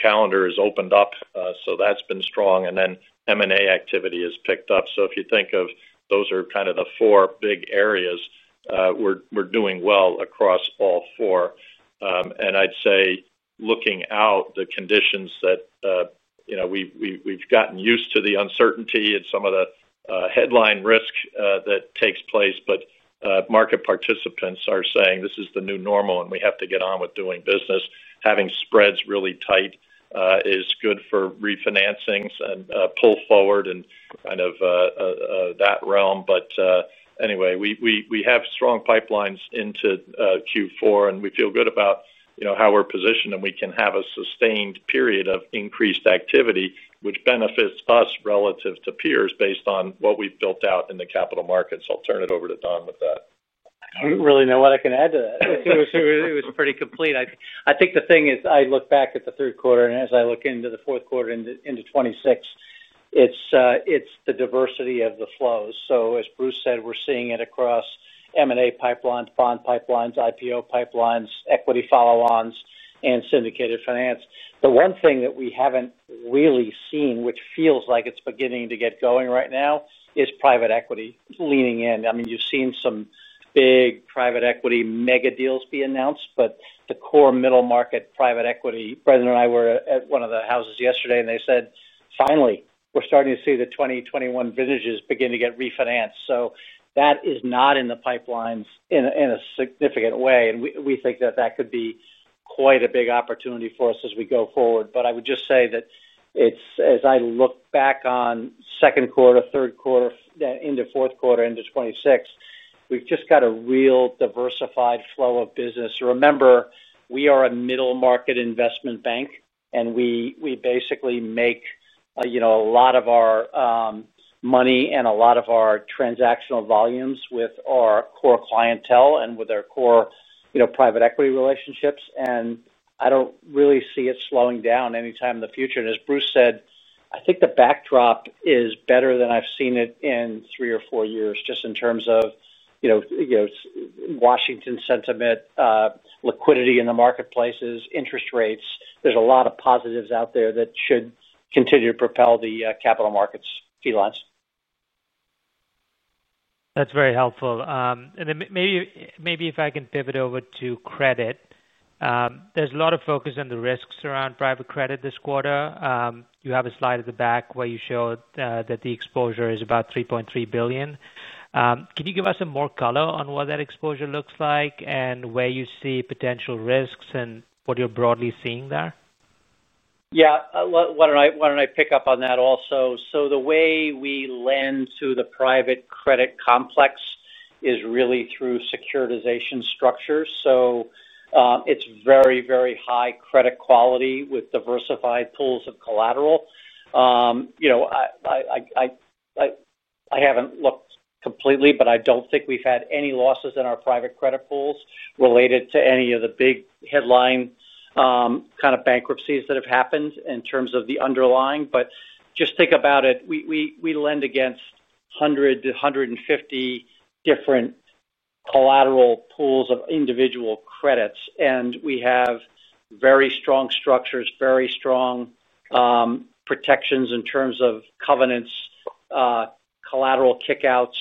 calendar has opened up, that's been strong. M&A activity has picked up. If you think of those as kind of the four big areas, we're doing well across all four. I'd say looking out, the conditions that we've gotten used to, the uncertainty and some of the headline risk that takes place, market participants are saying this is the new normal and we have to get on with doing business. Having spreads really tight is good for refinancing and pull forward in that realm. We have strong pipelines into Q4, and we feel good about how we're positioned and we can have a sustained period of increased activity, which benefits us relative to peers based on what we've built out in the capital markets. I'll turn it over to Don with that. I don't really know what I can add to that. It was pretty complete. I think the thing is I look back at the third quarter, and as I look into the fourth quarter into 2026, it's the diversity of the flows. As Bruce said, we're seeing it across M&A pipelines, bond pipelines, IPO pipelines, equity follow-ons, and syndicated finance. The one thing that we haven't really seen, which feels like it's beginning to get going right now, is private equity leaning in. I mean, you've seen some big private equity mega deals be announced, but the core middle market private equity, Brendan and I were at one of the houses yesterday, and they said, "Finally, we're starting to see the 2021 vintages begin to get refinanced." That is not in the pipelines in a significant way. We think that could be quite a big opportunity for us as we go forward. I would just say that as I look back on second quarter, third quarter, into fourth quarter, into 2026, we've just got a real diversified flow of business. Remember, we are a middle market investment bank, and we basically make a lot of our money and a lot of our transactional volumes with our core clientele and with our core private equity relationships. I don't really see it slowing down anytime in the future. As Bruce said, I think the backdrop is better than I've seen it in three or four years, just in terms of Washington sentiment, liquidity in the marketplaces, interest rates. There are a lot of positives out there that should continue to propel the capital markets feeling. That's very helpful. Maybe if I can pivot over to credit, there's a lot of focus on the risks around private credit this quarter. You have a slide at the back where you show that the exposure is about $3.3 billion. Can you give us some more color on what that exposure looks like and where you see potential risks and what you're broadly seeing there? Why don't I pick up on that also? The way we lend to the private credit complex is really through securitization structures. It is very, very high credit quality with diversified pools of collateral. I haven't looked completely, but I don't think we've had any losses in our private credit pools related to any of the big headline kind of bankruptcies that have happened in terms of the underlying. Just think about it. We lend against 100 to 150 different collateral pools of individual credits, and we have very strong structures, very strong protections in terms of covenants, collateral kickouts,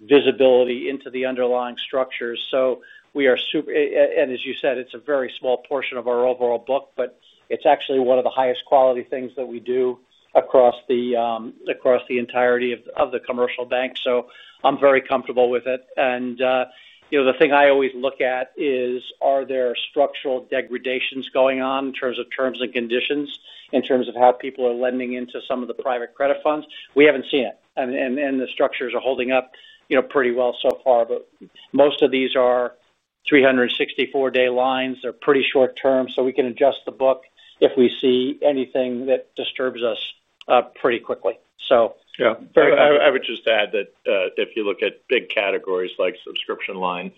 visibility into the underlying structures. We are super, and as you said, it's a very small portion of our overall book, but it's actually one of the highest quality things that we do across the entirety of the commercial bank. I'm very comfortable with it. The thing I always look at is, are there structural degradations going on in terms of terms and conditions, in terms of how people are lending into some of the private credit funds? We haven't seen it, and the structures are holding up pretty well so far. Most of these are 364-day lines. They're pretty short term, so we can adjust the book if we see anything that disturbs us pretty quickly. Yeah, I would just add that if you look at big categories like subscription line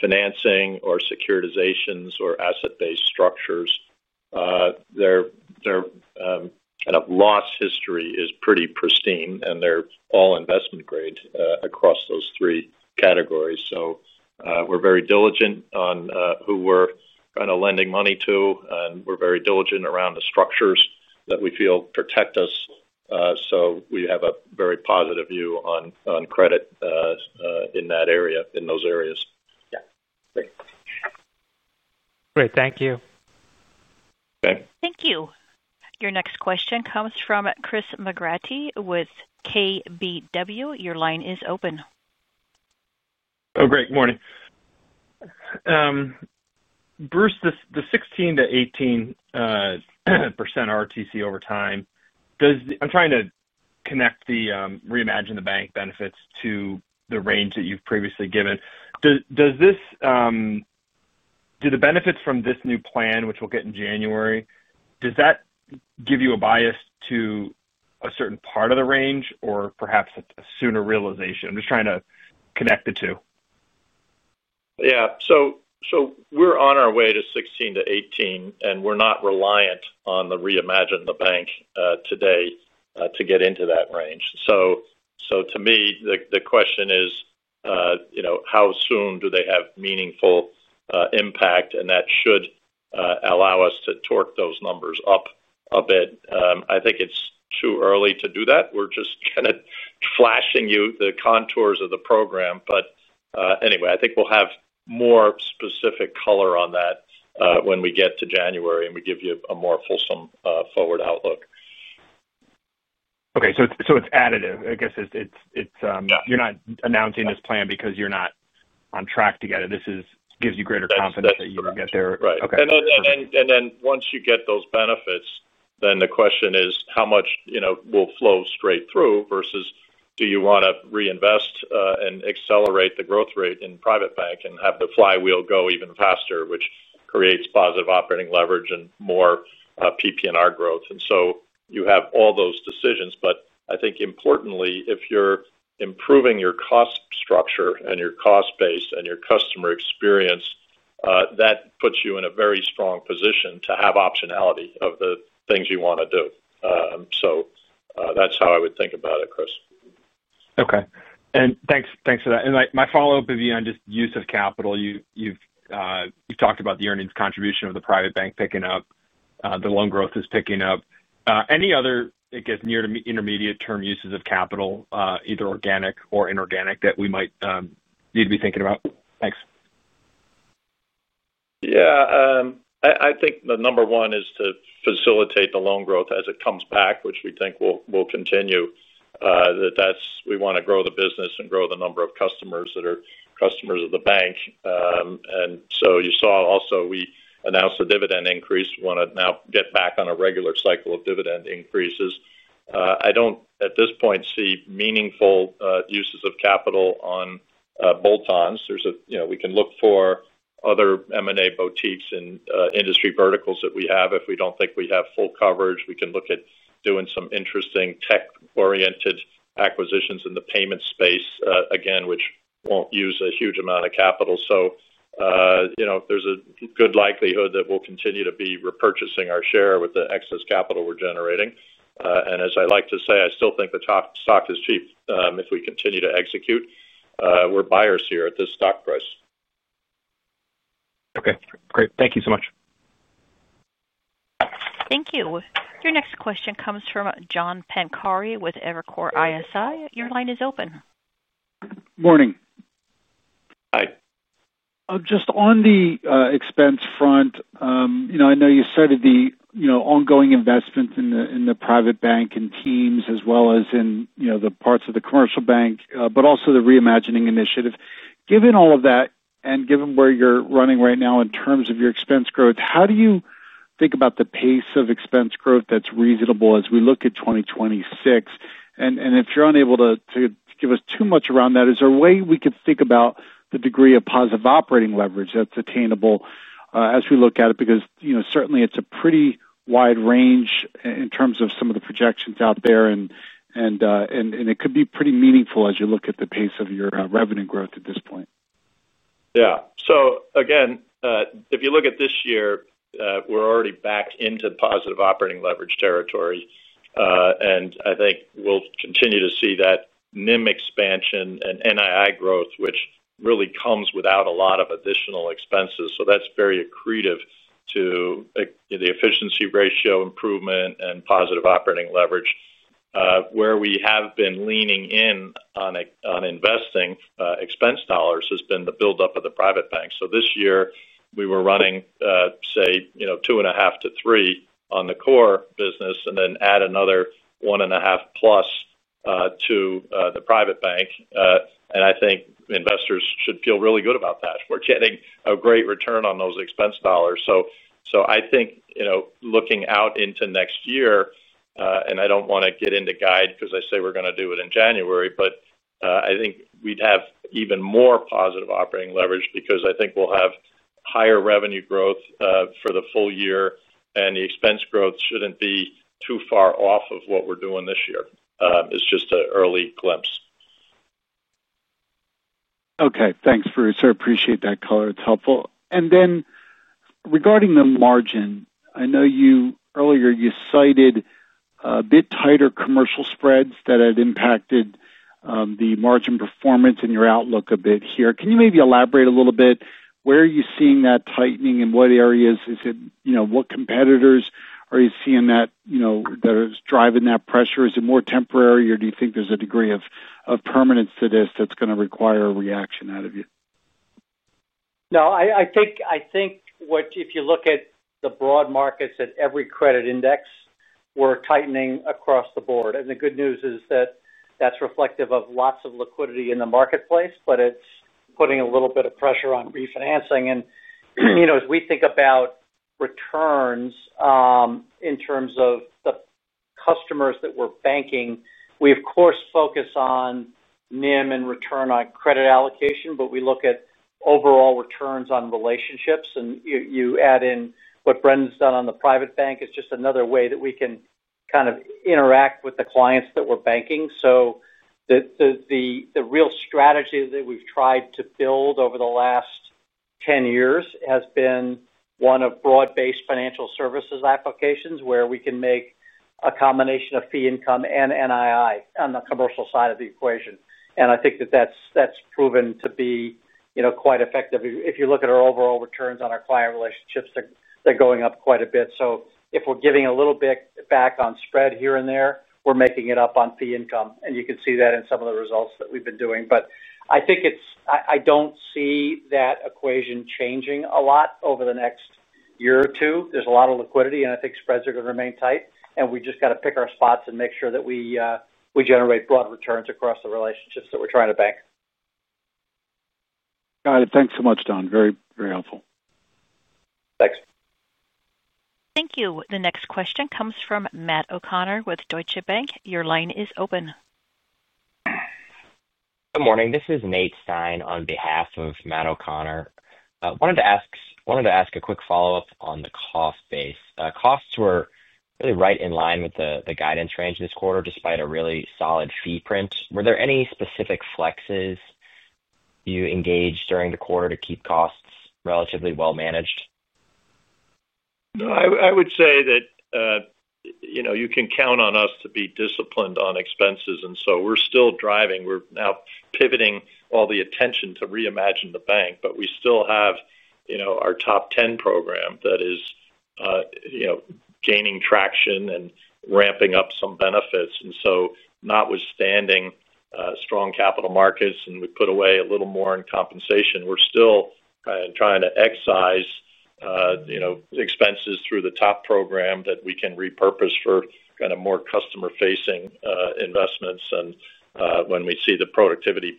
financing, or securitizations, or asset-based structures, their kind of loss history is pretty pristine, and they're all investment grade across those three categories. We are very diligent on who we're kind of lending money to, and we're very diligent around the structures that we feel protect us. We have a very positive view on credit in those areas. Great, thank you. Okay. Thank you. Your next question comes from Chris McGratty with KBW. Your line is open. Oh, great. Good morning. Bruce, the 16%-18% ROTCE over time, does the, I'm trying to connect the Reimagine the Bank benefits to the range that you've previously given. Do the benefits from this new plan, which we'll get in January, does that give you a bias to a certain part of the range or perhaps a sooner realization? I'm just trying to connect the two. Yeah. We're on our way to 16%-18%, and we're not reliant on the Reimagine the Bank today to get into that range. To me, the question is, you know how soon do they have meaningful impact? That should allow us to torque those numbers up a bit. I think it's too early to do that. We're just kind of flashing you the contours of the program. Anyway, I think we'll have more specific color on that when we get to January and we give you a more fulsome forward outlook. Okay. It's additive. I guess you're not announcing this plan because you're not on track to get it. This gives you greater confidence that you will get there. Right. Once you get those benefits, the question is how much will flow straight through versus do you want to reinvest and accelerate the growth rate in private bank and have the flywheel go even faster, which creates positive operating leverage and more PPNR growth? You have all those decisions. I think importantly, if you're improving your cost structure and your cost base and your customer experience, that puts you in a very strong position to have optionality of the things you want to do. That's how I would think about it, Chris. Okay. Thanks for that. My follow-up would be on just use of capital. You've talked about the earnings contribution of the private bank picking up. The loan growth is picking up. Any other, I guess, near to intermediate-term uses of capital, either organic or inorganic, that we might need to be thinking about? Thanks. I think the number one is to facilitate the loan growth as it comes back, which we think will continue. We want to grow the business and grow the number of customers that are customers of the bank. You saw also we announced a dividend increase. We want to now get back on a regular cycle of dividend increases. I don't, at this point, see meaningful uses of capital on bolt-ons. We can look for other M&A boutiques and industry verticals that we have. If we don't think we have full coverage, we can look at doing some interesting tech-oriented acquisitions in the payment space again, which won't use a huge amount of capital. There's a good likelihood that we'll continue to be repurchasing our share with the excess capital we're generating. As I like to say, I still think the stock is cheap if we continue to execute. We're buyers here at this stock price. Okay. Great, thank you so much. Thank you. Your next question comes from John Pancari with Evercore ISI. Your line is open. Morning. Hi. Oh, just on the expense front, I know you cited the ongoing investment in the private bank and teams as well as in the parts of the commercial bank, but also the Reimagine the Bank initiative. Given all of that and given where you're running right now in terms of your expense growth, how do you think about the pace of expense growth that's reasonable as we look at 2026? If you're unable to give us too much around that, is there a way we could think about the degree of positive operating leverage that's attainable as we look at it? Certainly, it's a pretty wide range in terms of some of the projections out there, and it could be pretty meaningful as you look at the pace of your revenue growth at this point. Yeah. If you look at this year, we're already back into the positive operating leverage territory. I think we'll continue to see that NIM expansion and NII growth, which really comes without a lot of additional expenses. That's very accretive to the efficiency ratio improvement and positive operating leverage. Where we have been leaning in on investing expense dollars has been the buildup of the private bank. This year, we were running, say, 2.5 to 3 on the core business and then add another 1.5+ to the private bank. I think investors should feel really good about that. We're getting a great return on those expense dollars. Looking out into next year, I don't want to get into guide because I say we're going to do it in January, but I think we'd have even more positive operating leverage because I think we'll have higher revenue growth for the full year, and the expense growth shouldn't be too far off of what we're doing this year. It's just an early glimpse. Okay. Thanks, Bruce. I appreciate that color. It's helpful. Regarding the margin, I know earlier you cited a bit tighter commercial spreads that had impacted the margin performance in your outlook a bit here. Can you maybe elaborate a little bit? Where are you seeing that tightening and what areas is it? What competitors are you seeing that are driving that pressure? Is it more temporary, or do you think there's a degree of permanence to this that's going to require a reaction out of you? No, I think if you look at the broad markets at every credit index, we're tightening across the board. The good news is that that's reflective of lots of liquidity in the marketplace, but it's putting a little bit of pressure on refinancing. As we think about returns in terms of the customers that we're banking, we, of course, focus on NIM and return on credit allocation, but we look at overall returns on relationships. You add in what Brendan's done on the private bank, which is just another way that we can kind of interact with the clients that we're banking. The real strategy that we've tried to build over the last 10 years has been one of broad-based financial services applications where we can make a combination of fee income and NII on the commercial side of the equation. I think that that's proven to be quite effective. If you look at our overall returns on our client relationships, they're going up quite a bit. If we're giving a little bit back on spread here and there, we're making it up on fee income. You can see that in some of the results that we've been doing. I don't see that equation changing a lot over the next year or two. There's a lot of liquidity, and I think spreads are going to remain tight. We just got to pick our spots and make sure that we generate broad returns across the relationships that we're trying to bank. Got it. Thanks so much, Don. Very, very helpful. Thanks. Thank you. The next question comes from Matt O'Connor with Deutsche Bank. Your line is open. Good morning. This is Nate Stein on behalf of Matt O'Connor. Wanted to ask a quick follow-up on the cost base. Costs were really right in line with the guidance range this quarter, despite a really solid fee print. Were there any specific flexes you engaged during the quarter to keep costs relatively well managed? No, I would say that you can count on us to be disciplined on expenses. We're still driving. We're now pivoting all the attention to Reimagine the Bank, but we still have our top 10 program that is gaining traction and ramping up some benefits. Notwithstanding strong capital markets and we put away a little more in compensation, we're still trying to excise expenses through the top program that we can repurpose for kind of more customer-facing investments. When we see the productivity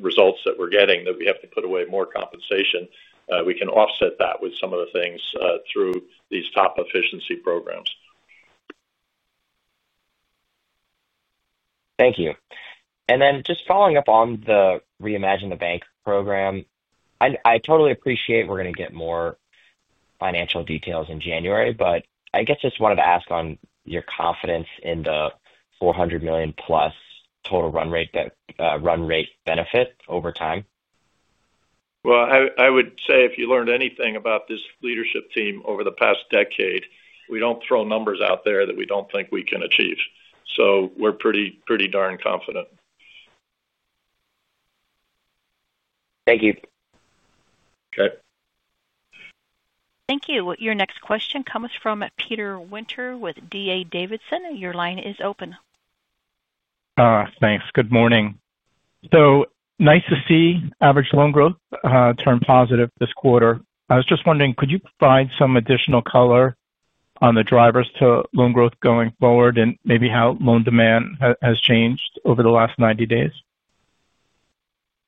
results that we're getting, that we have to put away more compensation, we can offset that with some of the things through these top efficiency programs. Thank you. Just following up on the Reimagine the Bank program, I totally appreciate we're going to get more financial details in January, but I guess I just wanted to ask on your confidence in the $400 million+ total run rate benefit over time. If you learned anything about this leadership team over the past decade, we don't throw numbers out there that we don't think we can achieve. We're pretty darn confident. Thank you. Okay. Thank you. Your next question comes from Peter Winter with D.A. Davidson. Your line is open. Thanks. Good morning. Nice to see average loan growth turn positive this quarter. I was just wondering, could you provide some additional color on the drivers to loan growth going forward and maybe how loan demand has changed over the last 90 days?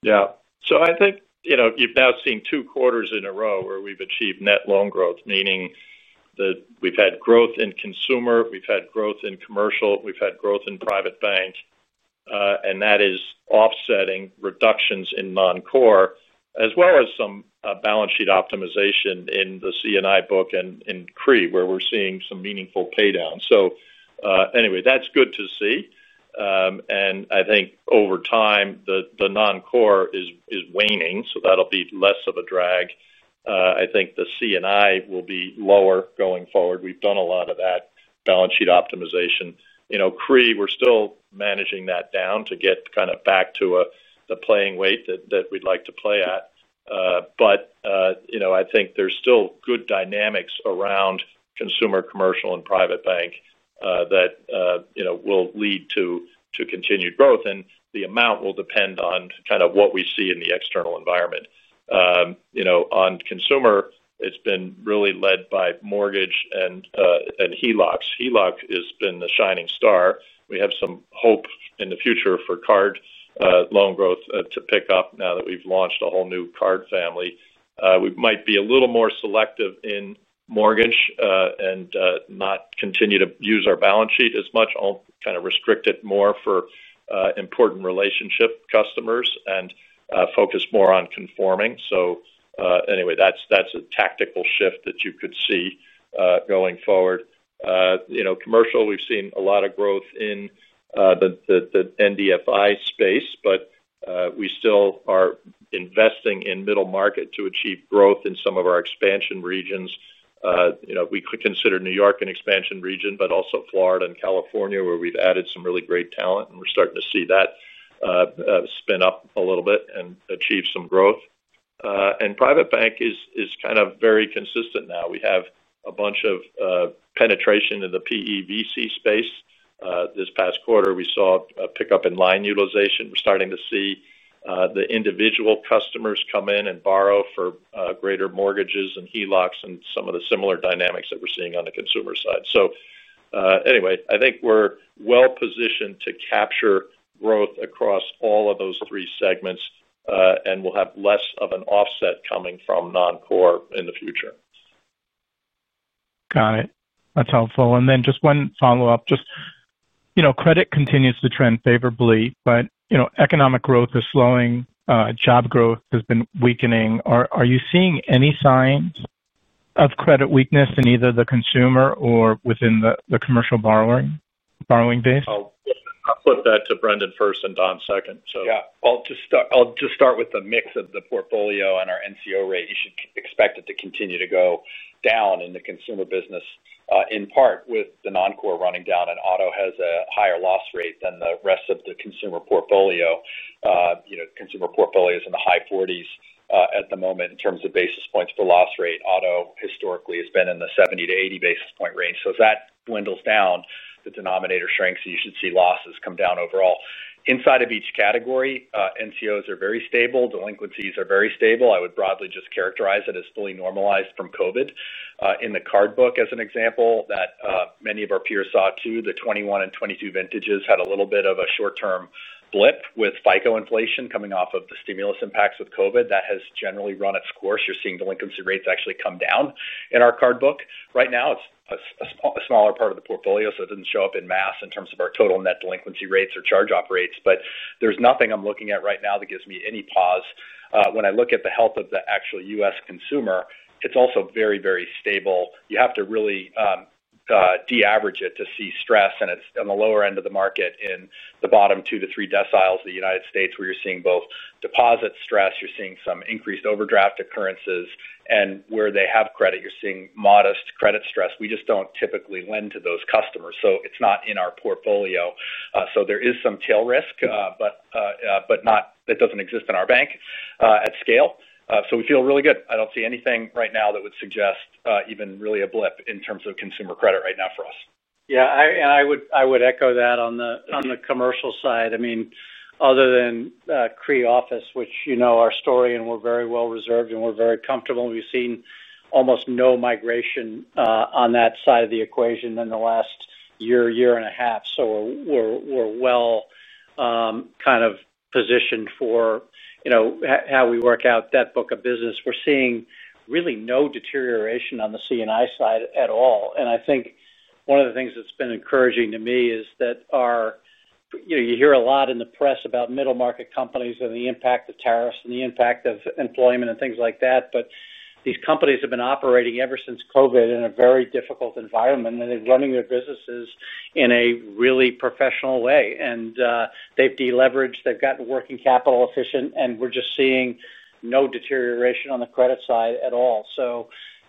Yeah. I think you've now seen two quarters in a row where we've achieved net loan growth, meaning that we've had growth in consumer, we've had growth in commercial, we've had growth in private bank, and that is offsetting reductions in Non-Core, as well as some balance sheet optimization in the C&I book and in CRE where we're seeing some meaningful paydowns. That's good to see. I think over time, the Non-Core is waning, so that'll be less of a drag. I think the C&I will be lower going forward. We've done a lot of that balance sheet optimization. CRE, we're still managing that down to get kind of back to the playing weight that we'd like to play at. I think there's still good dynamics around consumer, commercial, and private bank that will lead to continued growth. The amount will depend on what we see in the external environment. On consumer, it's been really led by mortgage and HELOCs. HELOC has been the shining star. We have some hope in the future for card loan growth to pick up now that we've launched a whole new card family. We might be a little more selective in mortgage and not continue to use our balance sheet as much, kind of restrict it more for important relationship customers and focus more on conforming. That's a tactical shift that you could see going forward. In commercial, we've seen a lot of growth in the NDFI space, but we still are investing in middle market to achieve growth in some of our expansion regions. We could consider New York an expansion region, but also Florida and California where we've added some really great talent, and we're starting to see that spin up a little bit and achieve some growth. Private bank is kind of very consistent now. We have a bunch of penetration in the PEVC space. This past quarter, we saw a pickup in line utilization. We're starting to see the individual customers come in and borrow for greater mortgages and HELOCs and some of the similar dynamics that we're seeing on the consumer side. I think we're well positioned to capture growth across all of those three segments, and we'll have less of an offset coming from Non-Core in the future. Got it. That's helpful. Just one follow-up. Credit continues to trend favorably, but economic growth is slowing. Job growth has been weakening. Are you seeing any signs of credit weakness in either the consumer or within the commercial borrowing base? I'll flip that to Brendan first and Don second. Yeah, I'll just start with the mix of the portfolio and our NCO rate. You should expect it to continue to go down in the consumer business, in part with the Non-Core running down, and auto has a higher loss rate than the rest of the consumer portfolio. You know, consumer portfolios in the high 40s at the moment in terms of basis points for loss rate. Auto historically has been in the 70 to 80 basis point range. As that dwindles down, the denominator shrinks, so you should see losses come down overall. Inside of each category, NCOs are very stable. Delinquencies are very stable. I would broadly just characterize it as fully normalized from COVID. In the cardbook, as an example, that many of our peers saw too, the 2021 and 2022 vintages had a little bit of a short-term blip with FICO inflation coming off of the stimulus impacts with COVID. That has generally run its course. You're seeing delinquency rates actually come down in our cardbook. Right now, it's a smaller part of the portfolio, so it didn't show up in mass in terms of our total net delinquency rates or charge-off rates. There's nothing I'm looking at right now that gives me any pause. When I look at the health of the actual U.S. consumer, it's also very, very stable. You have to really de-average it to see stress, and it's on the lower end of the market in the bottom two to three deciles, the United States, where you're seeing both deposit stress, you're seeing some increased overdraft occurrences, and where they have credit, you're seeing modest credit stress. We just don't typically lend to those customers, so it's not in our portfolio. There is some tail risk, but that doesn't exist in our bank at scale. We feel really good. I don't see anything right now that would suggest even really a blip in terms of consumer credit right now for us. Yeah, and I would echo that on the commercial side. Other than CRE office, which you know our story, we're very well reserved, and we're very comfortable, and we've seen almost no migration on that side of the equation in the last year, year and a half. We're well positioned for how we work out that book of business. We're seeing really no deterioration on the CNI side at all. One of the things that's been encouraging to me is that you hear a lot in the press about middle market companies and the impact of tariffs and the impact of employment and things like that. These companies have been operating ever since COVID in a very difficult environment, and they're running their businesses in a really professional way. They've deleveraged, they've gotten working capital efficient, and we're just seeing no deterioration on the credit side at all.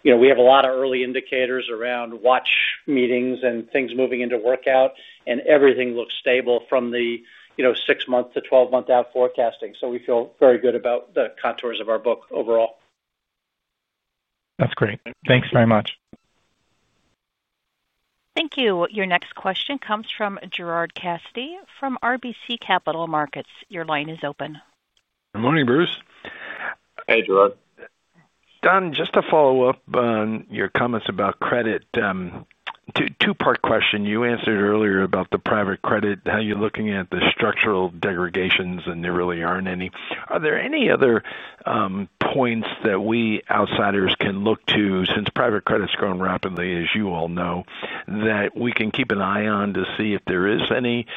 We have a lot of early indicators around watch meetings and things moving into workout, and everything looks stable from the 6-month to 12-month out forecasting. We feel very good about the contours of our book overall. That's great. Thanks very much. Thank you. Your next question comes from Gerard Cassidy from RBC Capital Markets. Your line is open. Good morning, Bruce. Hey, Gerard. Don, just a follow-up on your comments about credit. Two-part question. You answered earlier about the private credit, how you're looking at the structural degradations, and there really aren't any. Are there any other points that we outsiders can look to since private credit's grown rapidly, as you all know, that we can keep an eye on to see if there is any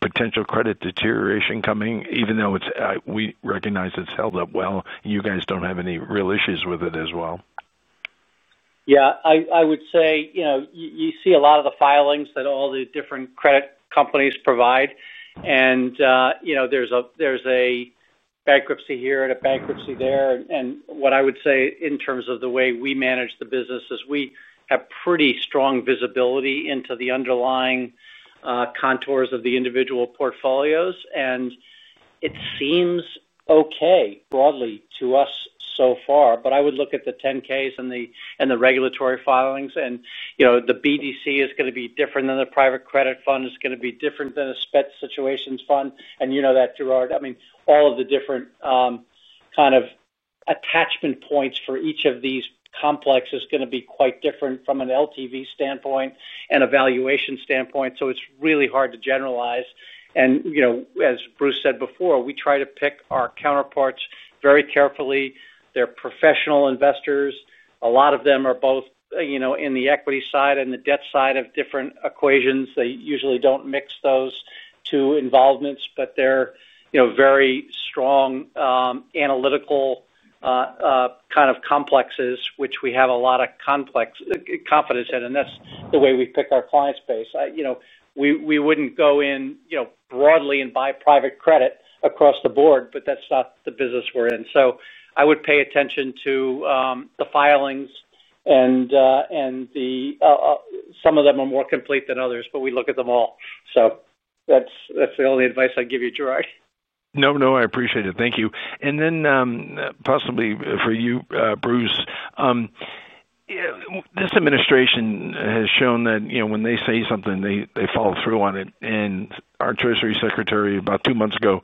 potential credit deterioration coming, even though we recognize it's held up well, and you guys don't have any real issues with it as well? Yeah, I would say you see a lot of the filings that all the different credit companies provide, and there's a bankruptcy here and a bankruptcy there. What I would say in terms of the way we manage the business is we have pretty strong visibility into the underlying contours of the individual portfolios, and it seems okay broadly to us so far. I would look at the 10-Ks and the regulatory filings, and the BDC is going to be different than the private credit fund. It's going to be different than a special situations fund. You know that, Gerard. All of the different kind of attachment points for each of these complexes is going to be quite different from an LTV standpoint and evaluation standpoint. It's really hard to generalize. As Bruce said before, we try to pick our counterparts very carefully. They're professional investors. A lot of them are both in the equity side and the debt side of different equations. They usually don't mix those two involvements, but they're very strong analytical kind of complexes, which we have a lot of confidence in. That's the way we pick our client space. We wouldn't go in broadly and buy private credit across the board, but that's not the business we're in. I would pay attention to the filings, and some of them are more complete than others, but we look at them all. That's the only advice I'd give you, Gerard. No, I appreciate it. Thank you. Possibly for you, Bruce. This administration has shown that when they say something, they follow through on it. Our Treasury Secretary, about two months ago,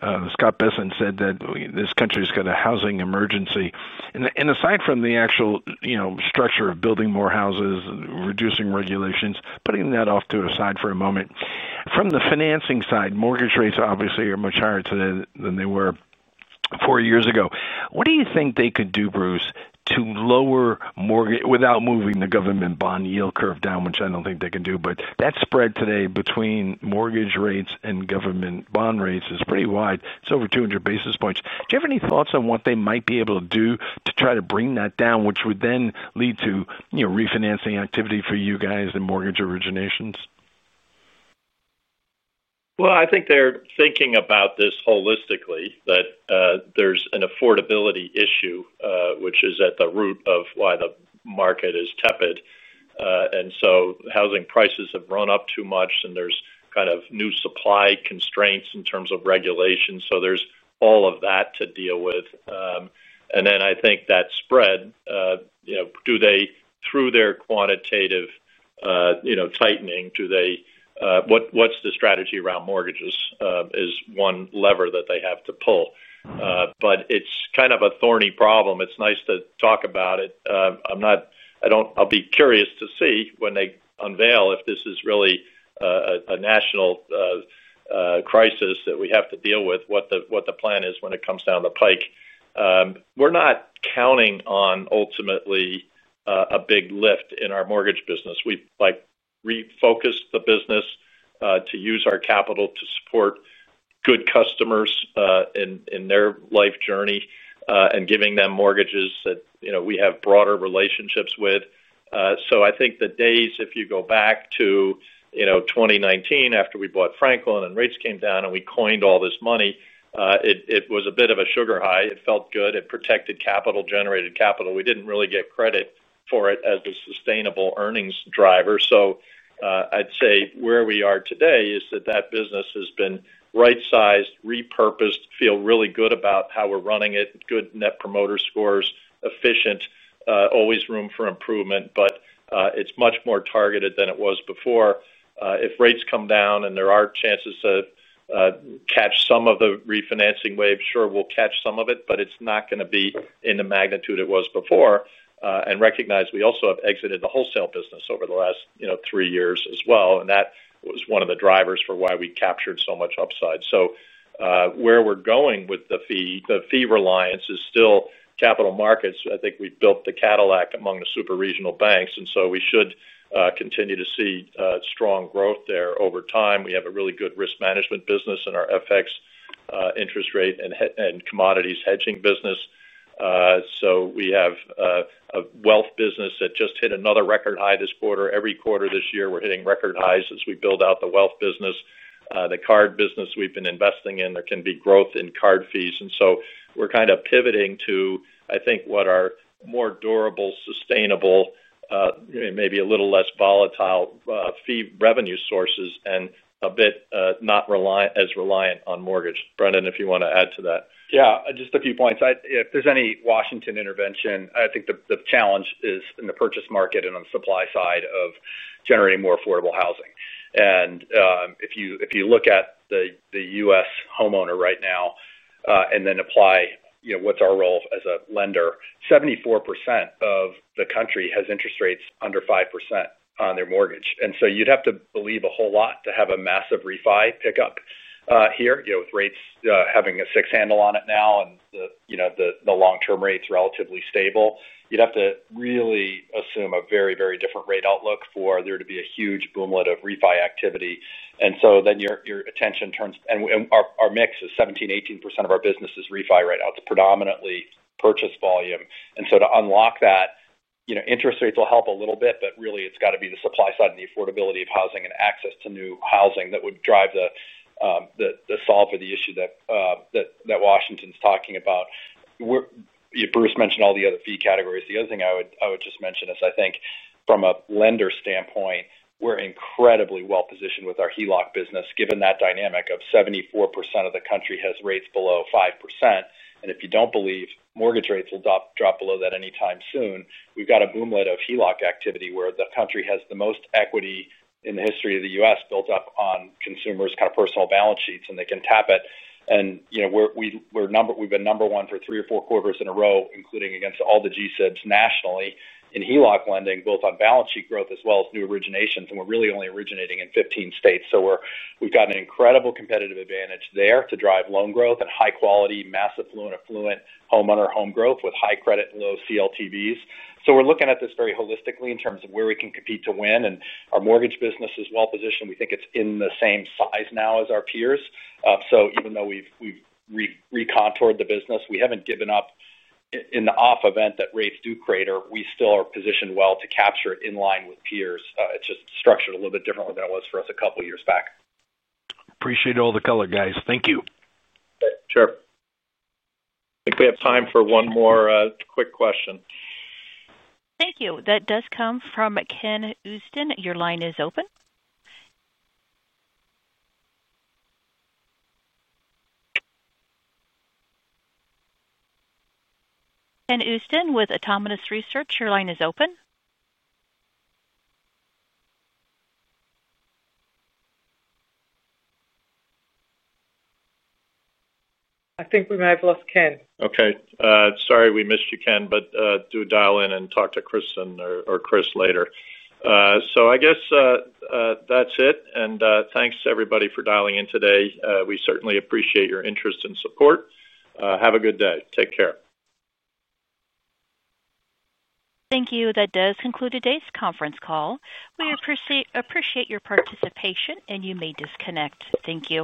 said that this country's got a housing emergency. Aside from the actual structure of building more houses and reducing regulations, putting that off to the side for a moment, from the financing side, mortgage rates obviously are much higher today than they were four years ago. What do you think they could do, Bruce, to lower mortgage without moving the government bond yield curve down, which I don't think they can do? That spread today between mortgage rates and government bond rates is pretty wide. It's over 200 basis points. Do you have any thoughts on what they might be able to do to try to bring that down, which would then lead to refinancing activity for you guys and mortgage originations? I think they're thinking about this holistically, that there's an affordability issue, which is at the root of why the market is tepid. Housing prices have run up too much, and there's kind of new supply constraints in terms of regulations. There's all of that to deal with. I think that spread, you know, do they, through their quantitative tightening, do they, what's the strategy around mortgages is one lever. Have to pull, but it's kind of a thorny problem. It's nice to talk about it. I'm not, I don't, I'll be curious to see when they unveil if this is really a national crisis that we have to deal with, what the plan is when it comes down the pike. We're not counting on ultimately a big lift in our mortgage business. We refocused the business to use our capital to support good customers in their life journey, and giving them mortgages that, you know, we have broader relationships with. I think the days, if you go back to 2019, after we bought Franklin and rates came down and we coined all this money, it was a bit of a sugar high. It felt good. It protected capital, generated capital. We didn't really get credit for it as a sustainable earnings driver. Where we are today is that business has been right-sized, repurposed, feel really good about how we're running it, good net promoter scores, efficient, always room for improvement. It's much more targeted than it was before. If rates come down and there are chances to catch some of the refinancing wave, sure, we'll catch some of it, but it's not going to be in the magnitude it was before. Recognize we also have exited the wholesale business over the last three years as well. That was one of the drivers for why we captured so much upside. Where we're going with the fee reliance is still capital markets. I think we've built the Cadillac among the super regional banks. We should continue to see strong growth there over time. We have a really good risk management business in our FX, interest rate, and commodities hedging business. We have a wealth business that just hit another record high this quarter. Every quarter this year, we're hitting record highs as we build out the wealth business. The card business we've been investing in, there can be growth in card fees. We're kind of pivoting to what are more durable, sustainable, maybe a little less volatile fee revenue sources and a bit not as reliant on mortgage. Brendan, if you want to add to that. Yeah, just a few points. If there's any Washington intervention, I think the challenge is in the purchase market and on the supply side of generating more affordable housing. If you look at the U.S. homeowner right now, and then apply, you know, what's our role as a lender, 74% of the country has interest rates under 5% on their mortgage. You'd have to believe a whole lot to have a massive refi pickup here, you know, with rates having a six-handle on it now and the long-term rates are relatively stable. You'd have to really assume a very, very different rate outlook for there to be a huge boomlet of refi activity. Your attention turns and our mix is 17, 18% of our business is refi right now. It's predominantly purchase volume. To unlock that, you know, interest rates will help a little bit, but really it's got to be the supply side and the affordability of housing and access to new housing that would drive the solve for the issue that Washington's talking about. We're, you know, Bruce mentioned all the other fee categories. The other thing I would just mention is I think from a lender standpoint, we're incredibly well positioned with our HELOC business, given that dynamic of 74% of the country has rates below 5%. If you don't believe mortgage rates will drop below that anytime soon, we've got a boomlet of HELOC activity where the country has the most equity in the history of the U.S. built up on consumers' kind of personal balance sheets, and they can tap it. We're number, we've been number one for three or four quarters in a row, including against all the G-SIBs nationally in HELOC lending, both on balance sheet growth as well as new originations. We're really only originating in 15 states. We've got an incredible competitive advantage there to drive loan growth and high-quality, mass affluent, affluent homeowner home growth with high credit and low CLTVs. We're looking at this very holistically in terms of where we can compete to win. Our mortgage business is well positioned. We think it's in the same size now as our peers. Even though we've recontour the business, we haven't given up in the off event that rates do crater. We still are positioned well to capture it in line with peers. It's just structured a little bit differently than it was for us a couple of years back. Appreciate all the color, guys. Thank you. Sure. I think we have time for one more quick question. Thank you. That does come from Ken Usdin. Your line is open. Ken Oosten with Autonomous Research, your line is open. I think we might have lost Ken. Okay. Sorry we missed you, Ken, but do dial in and talk to Kristin or Chris later. I guess that's it. Thanks everybody for dialing in today. We certainly appreciate your interest and support. Have a good day. Take care. Thank you. That does conclude today's conference call. We appreciate your participation, and you may disconnect. Thank you.